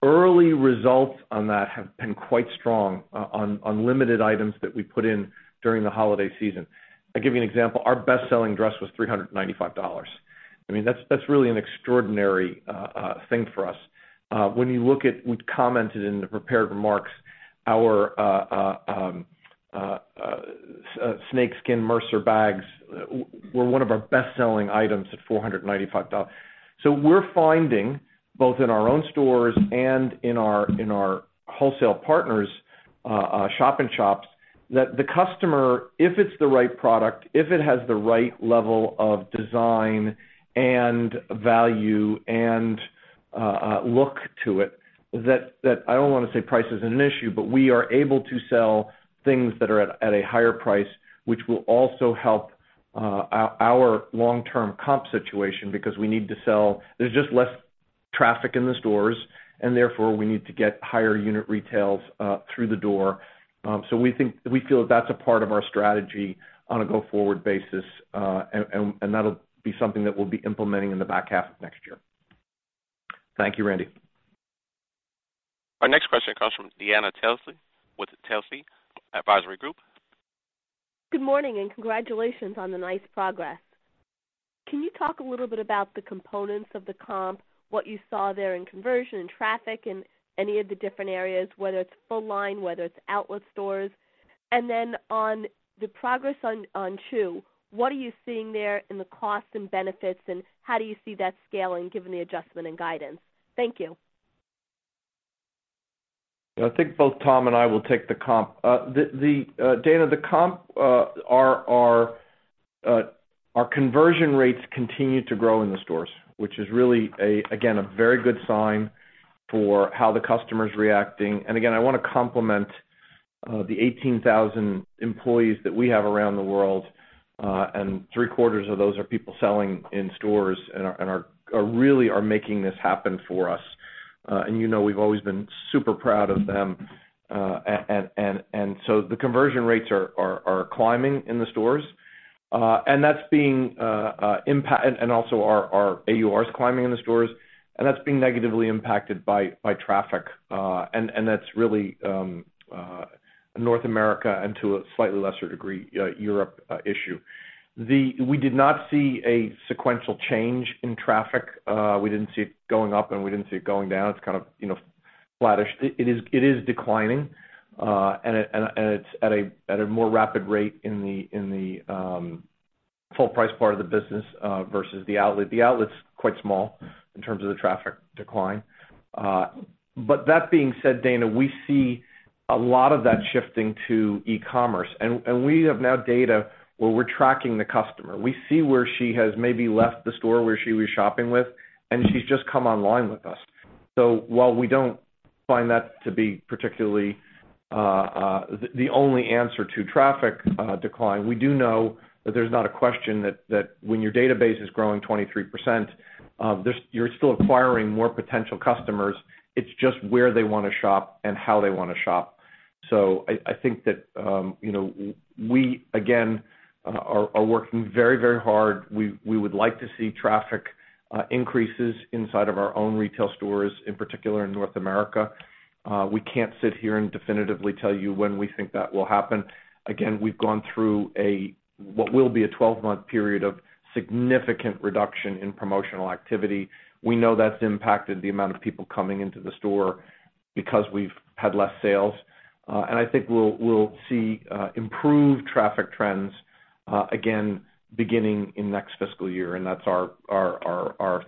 Early results on that have been quite strong on limited items that we put in during the holiday season. I'll give you an example. Our best-selling dress was $395. That's really an extraordinary thing for us. When you look at, we commented in the prepared remarks, our snakeskin Mercer bags were one of our best-selling items at $495. We're finding both in our own stores and in our wholesale partners shop in shops that the customer, if it's the right product, if it has the right level of design and value and look to it, I don't want to say price isn't an issue, but we are able to sell things that are at a higher price, which will also help our long-term comp situation because we need to sell. There's just less traffic in the stores, therefore we need to get higher unit retails through the door. We feel that that's a part of our strategy on a go-forward basis, and that'll be something that we'll be implementing in the back half of next year. Thank you, Randy. Our next question comes from Dana Telsey with Telsey Advisory Group. Good morning. Congratulations on the nice progress. Can you talk a little bit about the components of the comp, what you saw there in conversion and traffic in any of the different areas, whether it's full line, whether it's outlet stores? Then on the progress on Choo, what are you seeing there in the cost and benefits, and how do you see that scaling given the adjustment and guidance? Thank you. I think both Tom and I will take the comp. Dana, the comp, our conversion rates continue to grow in the stores, which is really, again, a very good sign for how the customer's reacting. Again, I want to compliment the 18,000 employees that we have around the world, and three-quarters of those are people selling in stores and really are making this happen for us. You know we've always been super proud of them. So the conversion rates are climbing in the stores. Also our AUR is climbing in the stores, and that's being negatively impacted by traffic. That's really North America and to a slightly lesser degree, Europe issue. We did not see a sequential change in traffic. We didn't see it going up, and we didn't see it going down. It's kind of flattish. It is declining, and it's at a more rapid rate in the full price part of the business versus the outlet. The outlet's quite small in terms of the traffic decline. That being said, Dana, we see a lot of that shifting to e-commerce. We have now data where we're tracking the customer. We see where she has maybe left the store where she was shopping with, and she's just come online with us. While we don't find that to be particularly the only answer to traffic decline, we do know that there's not a question that when your database is growing 23%, you're still acquiring more potential customers. It's just where they want to shop and how they want to shop. I think that we, again, are working very hard. We would like to see traffic increases inside of our own retail stores, in particular in North America. We can't sit here and definitively tell you when we think that will happen. Again, we've gone through a, what will be a 12-month period of significant reduction in promotional activity. We know that's impacted the amount of people coming into the store because we've had less sales. I think we'll see improved traffic trends, again, beginning in next fiscal year, and that's our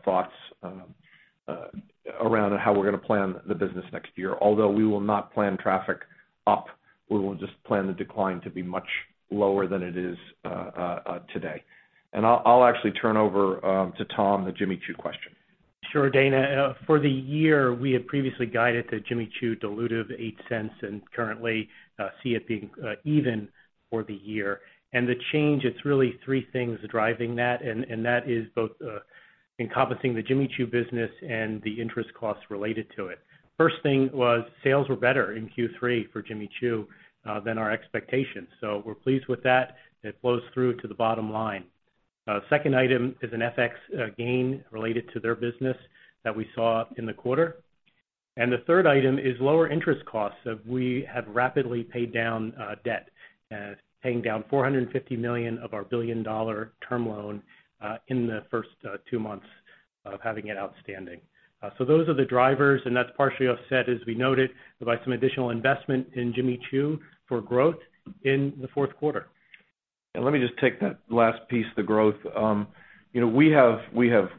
thoughts around how we're going to plan the business next year. Although we will not plan traffic up, we will just plan the decline to be much lower than it is today. I'll actually turn over to Tom the Jimmy Choo question. Sure. Dana, for the year, we had previously guided that Jimmy Choo dilutive $0.08 and currently see it being even for the year. The change, it's really three things driving that, and that is both encompassing the Jimmy Choo business and the interest costs related to it. First thing was sales were better in Q3 for Jimmy Choo than our expectations. We're pleased with that. It flows through to the bottom line. Second item is an FX gain related to their business that we saw in the quarter. The third item is lower interest costs that we have rapidly paid down debt, paying down $450 million of our billion-dollar term loan, in the first two months of having it outstanding. Those are the drivers, and that's partially offset, as we noted, by some additional investment in Jimmy Choo for growth in the fourth quarter. Let me just take that last piece, the growth. We have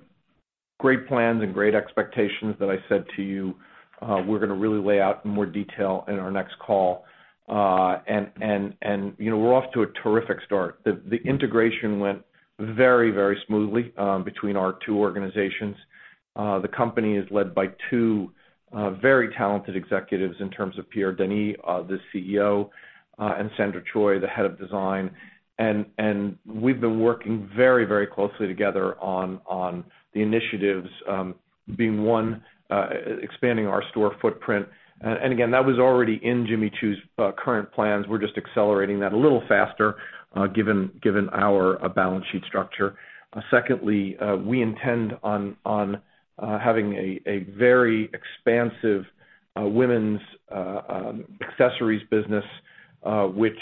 great plans and great expectations that I said to you. We're going to really lay out in more detail in our next call. We're off to a terrific start. The integration went very smoothly between our two organizations. The company is led by two very talented executives in terms of Pierre Denis, the CEO, and Sandra Choi, the head of design. We've been working very closely together on the initiatives, being 1, expanding our store footprint. Again, that was already in Jimmy Choo's current plans. We're just accelerating that a little faster given our balance sheet structure. Secondly, we intend on having a very expansive women's accessories business, which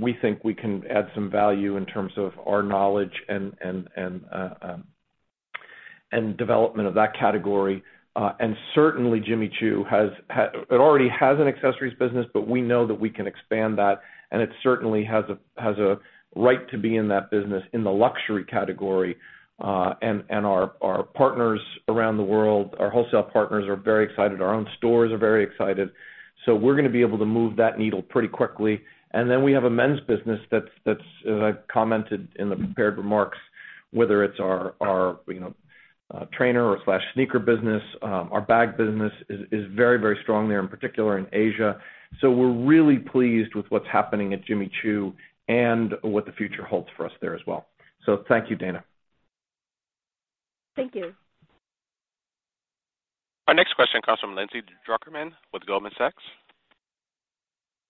we think we can add some value in terms of our knowledge and development of that category. Certainly Jimmy Choo already has an accessories business, but we know that we can expand that, and it certainly has a right to be in that business in the luxury category. Our partners around the world, our wholesale partners are very excited. Our own stores are very excited. We're going to be able to move that needle pretty quickly. We have a men's business that as I commented in the prepared remarks, whether it's our trainer/sneaker business, our bag business is very strong there, in particular in Asia. We're really pleased with what's happening at Jimmy Choo and what the future holds for us there as well. Thank you, Dana. Thank you. Our next question comes from Lindsay Drucker Mann with Goldman Sachs.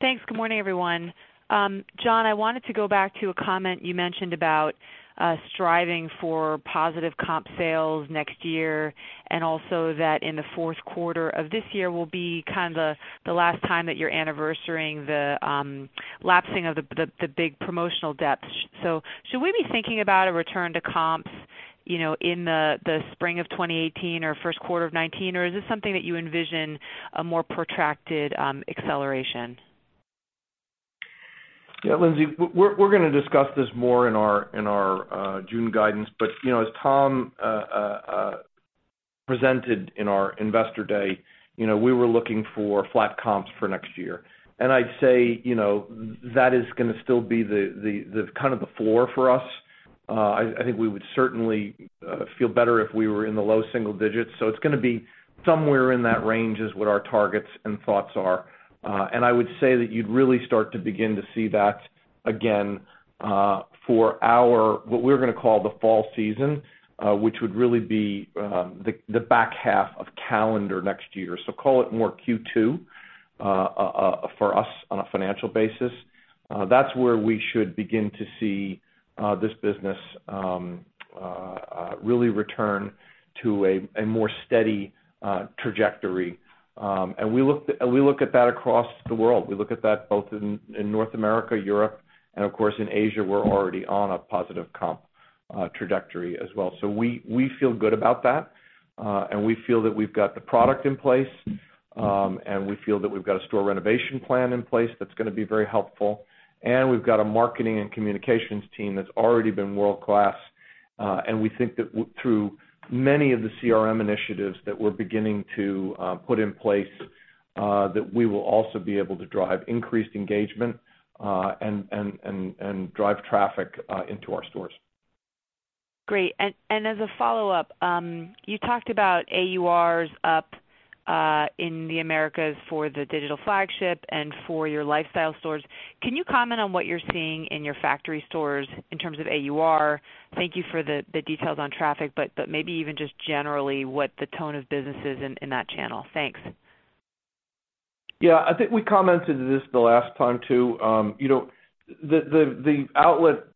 Thanks. Good morning, everyone. John, I wanted to go back to a comment you mentioned about striving for positive comp sales next year, and also that in the fourth quarter of this year will be the last time that you're anniversarying the lapsing of the big promotional dephts. Should we be thinking about a return to comps in the spring of 2018 or first quarter of 2019? Is this something that you envision a more protracted acceleration? Yeah, Lindsay, we're going to discuss this more in our June guidance. As Tom presented in our investor day, we were looking for flat comps for next year. I'd say, that is going to still be the floor for us. I think we would certainly feel better if we were in the low single digits. It's going to be somewhere in that range is what our targets and thoughts are. I would say that you'd really start to begin to see that again, for what we're going to call the fall season, which would really be the back half of calendar next year. Call it more Q2, for us on a financial basis. That's where we should begin to see this business really return to a more steady trajectory. We look at that across the world. We look at that both in North America, Europe, and of course, in Asia, we're already on a positive comp trajectory as well. We feel good about that. We feel that we've got the product in place, and we feel that we've got a store renovation plan in place that's going to be very helpful. We've got a marketing and communications team that's already been world-class. We think that through many of the CRM initiatives that we're beginning to put in place, that we will also be able to drive increased engagement, and drive traffic into our stores. Great. As a follow-up, you talked about AURs up, in the Americas for the digital flagship and for your lifestyle stores. Can you comment on what you're seeing in your factory stores in terms of AUR? Thank you for the details on traffic, but maybe even just generally what the tone of business is in that channel. Thanks. Yeah. I think we commented this the last time too. The outlet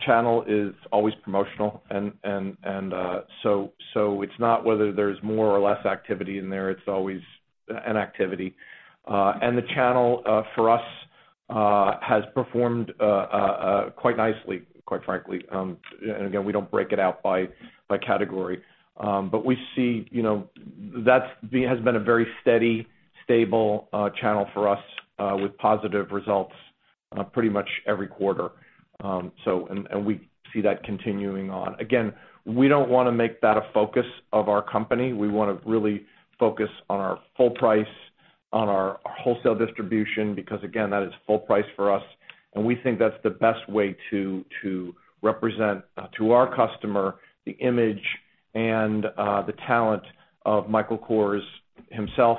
channel is always promotional. It's not whether there's more or less activity in there, it's always an activity. The channel, for us, has performed quite nicely, quite frankly. Again, we don't break it out by category. We see that has been a very steady, stable channel for us, with positive results pretty much every quarter. We see that continuing on. Again, we don't want to make that a focus of our company. We want to really focus on our full price, on our wholesale distribution, because again, that is full price for us, and we think that's the best way to represent to our customer the image and the talent of Michael Kors himself,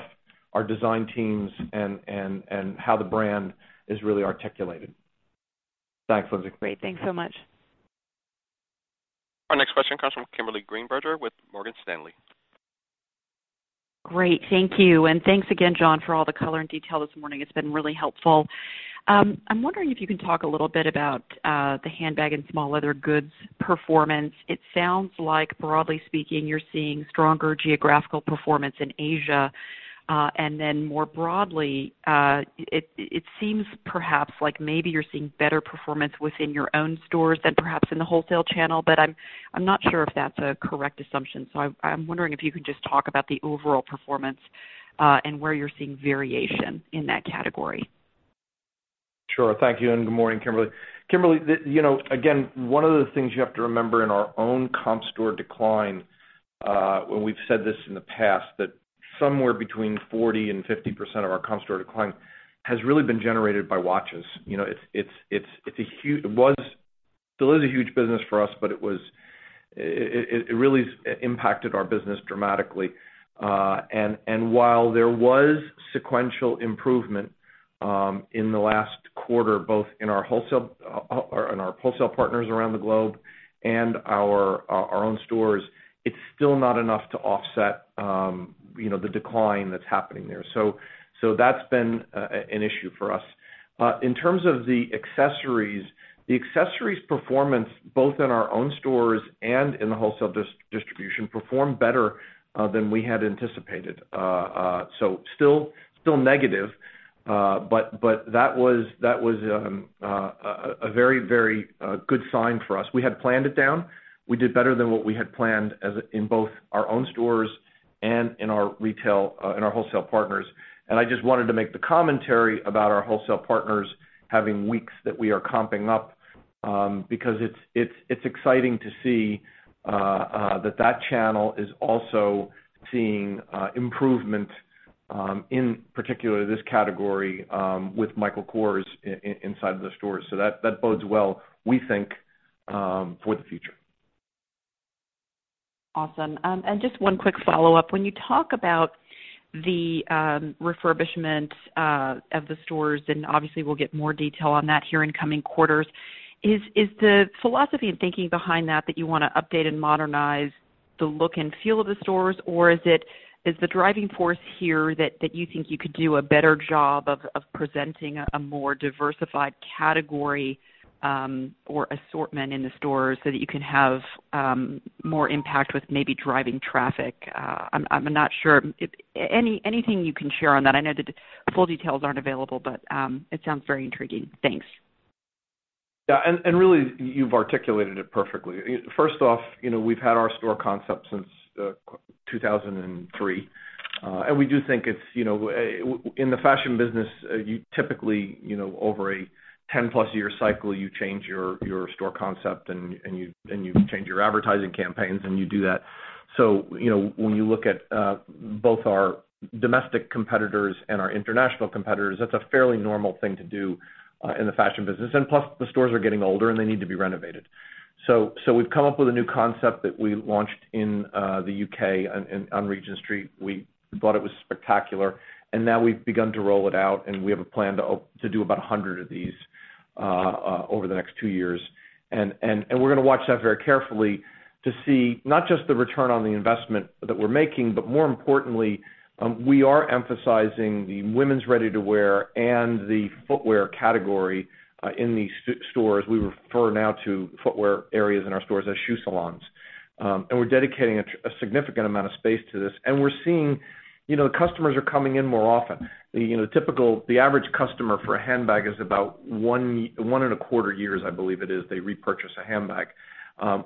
our design teams, and how the brand is really articulated. Thanks, Lindsay. Great. Thanks so much. Our next question comes from Kimberly Greenberger with Morgan Stanley. Great. Thank you. Thanks again, John, for all the color and detail this morning. It's been really helpful. I'm wondering if you can talk a little bit about the handbag and small leather goods performance. It sounds like, broadly speaking, you're seeing stronger geographical performance in Asia. More broadly, it seems perhaps like maybe you're seeing better performance within your own stores than perhaps in the wholesale channel. I'm not sure if that's a correct assumption. I'm wondering if you can just talk about the overall performance, and where you're seeing variation in that category. Sure. Thank you, and good morning, Kimberly. Kimberly, again, one of the things you have to remember in our own comp store decline, when we've said this in the past, that somewhere between 40% and 50% of our comp store decline has really been generated by watches. It still is a huge business for us, but it really impacted our business dramatically. While there was sequential improvement, in the last quarter, both in our wholesale partners around the globe and our own stores, it's still not enough to offset the decline that's happening there. That's been an issue for us. In terms of the accessories. The accessories performance, both in our own stores and in the wholesale distribution, performed better than we had anticipated. Still negative, but that was a very good sign for us. We had planned it down. We did better than what we had planned in both our own stores and in our wholesale partners. I just wanted to make the commentary about our wholesale partners having weeks that we are comping up, because it's exciting to see that channel is also seeing improvement. In particular, this category with Michael Kors inside the store. That bodes well, we think, for the future. Awesome. Just one quick follow-up. When you talk about the refurbishment of the stores, and obviously we'll get more detail on that here in coming quarters, is the philosophy and thinking behind that you want to update and modernize the look and feel of the stores? Is the driving force here that you think you could do a better job of presenting a more diversified category or assortment in the stores so that you can have more impact with maybe driving traffic? I'm not sure. Anything you can share on that. I know the full details aren't available, but it sounds very intriguing. Thanks. Yeah. Really you've articulated it perfectly. First off, we've had our store concept since 2003. In the fashion business, you typically over a 10 plus year cycle, you change your store concept and you change your advertising campaigns, and you do that. When you look at both our domestic competitors and our international competitors, that's a fairly normal thing to do in the fashion business. Plus, the stores are getting older, and they need to be renovated. We've come up with a new concept that we launched in the U.K. on Regent Street. We thought it was spectacular, and now we've begun to roll it out, and we have a plan to do about 100 of these over the next two years. We're going to watch that very carefully to see not just the return on the investment that we're making, but more importantly, we are emphasizing the women's ready-to-wear and the footwear category in these stores. We refer now to footwear areas in our stores as shoe salons. We're dedicating a significant amount of space to this. We're seeing customers are coming in more often. The average customer for a handbag is about one and a quarter years, I believe it is, they repurchase a handbag.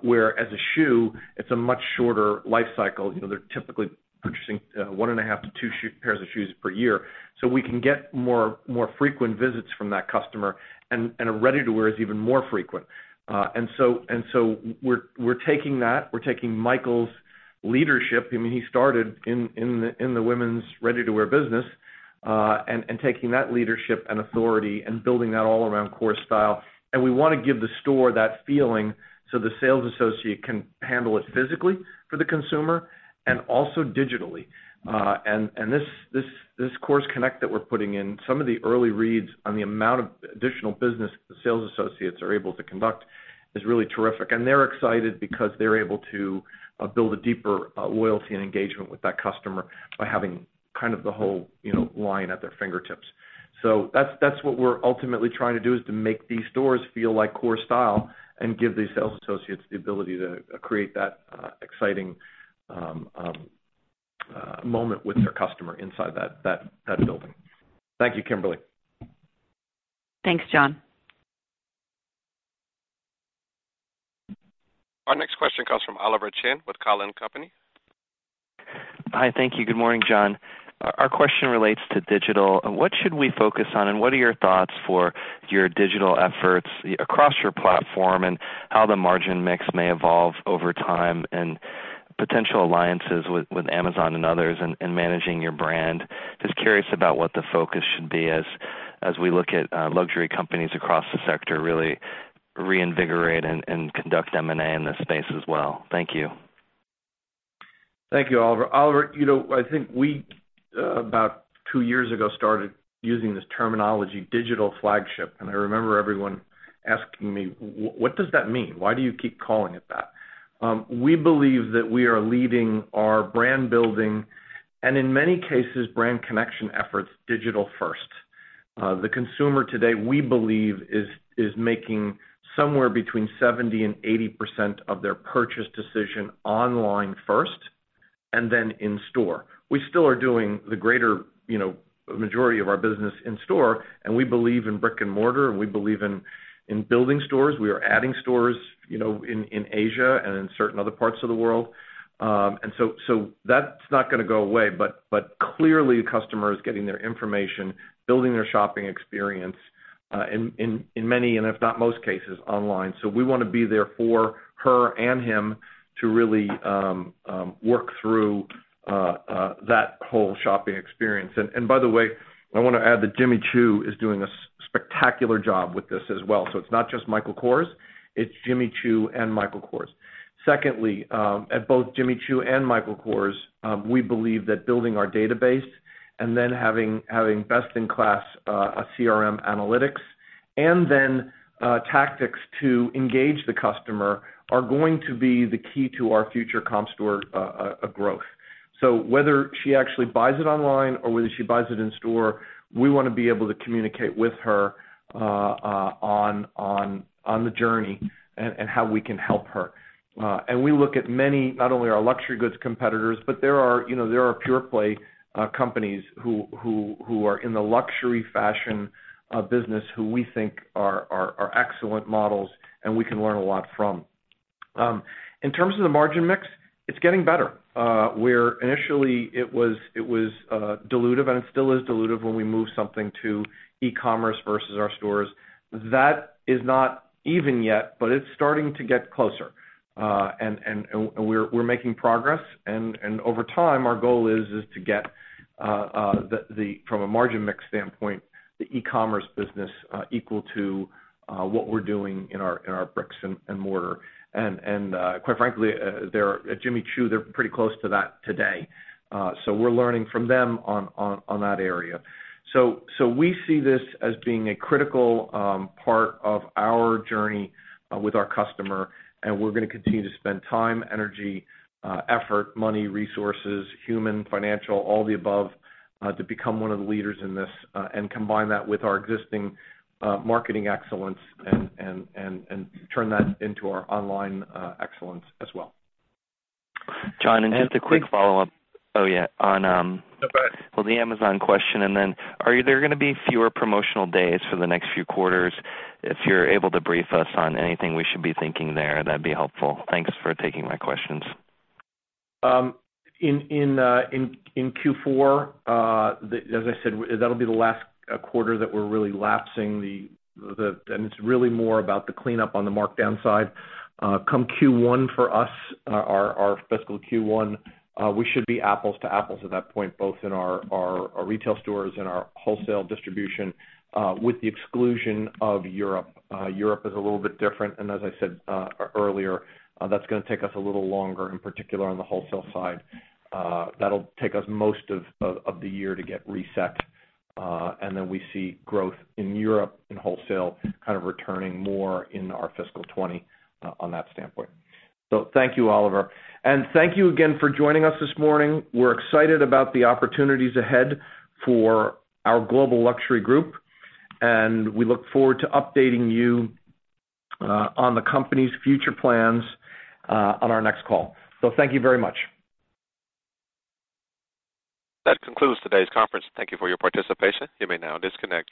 Whereas a shoe, it's a much shorter life cycle. They're typically purchasing one and a half to two pairs of shoes per year. We can get more frequent visits from that customer, and our ready-to-wear is even more frequent. We're taking that, we're taking Michael's leadership. He started in the women's ready-to-wear business, taking that leadership and authority and building that all around Kors Style. We want to give the store that feeling so the sales associate can handle it physically for the consumer and also digitally. This Kors Connect that we're putting in, some of the early reads on the amount of additional business the sales associates are able to conduct is really terrific. They're excited because they're able to build a deeper loyalty and engagement with that customer by having the whole line at their fingertips. That's what we're ultimately trying to do, is to make these stores feel like Kors Style and give these sales associates the ability to create that exciting moment with their customer inside that building. Thank you, Kimberly. Thanks, John. Our next question comes from Oliver Chen with Cowen Company. Hi. Thank you. Good morning, John. Our question relates to digital. What should we focus on, and what are your thoughts for your digital efforts across your platform, and how the margin mix may evolve over time and potential alliances with Amazon and others in managing your brand? Just curious about what the focus should be as we look at luxury companies across the sector really reinvigorate and conduct M&A in this space as well. Thank you. Thank you, Oliver. Oliver, I think we, about two years ago, started using this terminology, digital flagship, and I remember everyone asking me, "What does that mean? Why do you keep calling it that?" We believe that we are leading our brand building and in many cases, brand connection efforts, digital first. The consumer today, we believe, is making somewhere between 70% and 80% of their purchase decision online first and then in store. We still are doing the greater majority of our business in store, and we believe in brick and mortar, and we believe in building stores. We are adding stores in Asia and in certain other parts of the world. That's not going to go away. Clearly, customers getting their information, building their shopping experience in many, and if not most cases, online. We want to be there for her and him to really work through that whole shopping experience. By the way, I want to add that Jimmy Choo is doing a spectacular job with this as well. It's not just Michael Kors, it's Jimmy Choo and Michael Kors. Secondly, at both Jimmy Choo and Michael Kors, we believe that building our database and then having best in class CRM analytics and then tactics to engage the customer are going to be the key to our future comp store growth. Whether she actually buys it online or whether she buys it in store, we want to be able to communicate with her on the journey and how we can help her. We look at many, not only our luxury goods competitors, but there are pure play companies who are in the luxury fashion business who we think are excellent models and we can learn a lot from. In terms of the margin mix, it's getting better. Where initially it was dilutive, and it still is dilutive when we move something to e-commerce versus our stores. That is not even yet, but it's starting to get closer. We're making progress. Over time, our goal is to get, from a margin mix standpoint, the e-commerce business equal to what we're doing in our bricks and mortar. Quite frankly, at Jimmy Choo, they're pretty close to that today. We're learning from them on that area. We see this as being a critical part of our journey with our customer, we're going to continue to spend time, energy, effort, money, resources, human, financial, all the above, to become one of the leaders in this. Combine that with our existing marketing excellence and turn that into our online excellence as well. John, just a quick follow-up. I think. Oh, yeah. No, go ahead. Well, the Amazon question, then are there going to be fewer promotional days for the next few quarters? If you're able to brief us on anything we should be thinking there, that'd be helpful. Thanks for taking my questions. In Q4, as I said, that'll be the last quarter that we're really lapsing the. It's really more about the cleanup on the markdown side. Come Q1 for us, our fiscal Q1, we should be apples to apples at that point, both in our retail stores and our wholesale distribution, with the exclusion of Europe. Europe is a little bit different, as I said earlier, that's going to take us a little longer, in particular on the wholesale side. That'll take us most of the year to get reset. Then we see growth in Europe and wholesale kind of returning more in our fiscal 2020, on that standpoint. Thank you, Oliver. Thank you again for joining us this morning. We're excited about the opportunities ahead for our global luxury group, we look forward to updating you on the company's future plans on our next call. Thank you very much. That concludes today's conference. Thank you for your participation. You may now disconnect.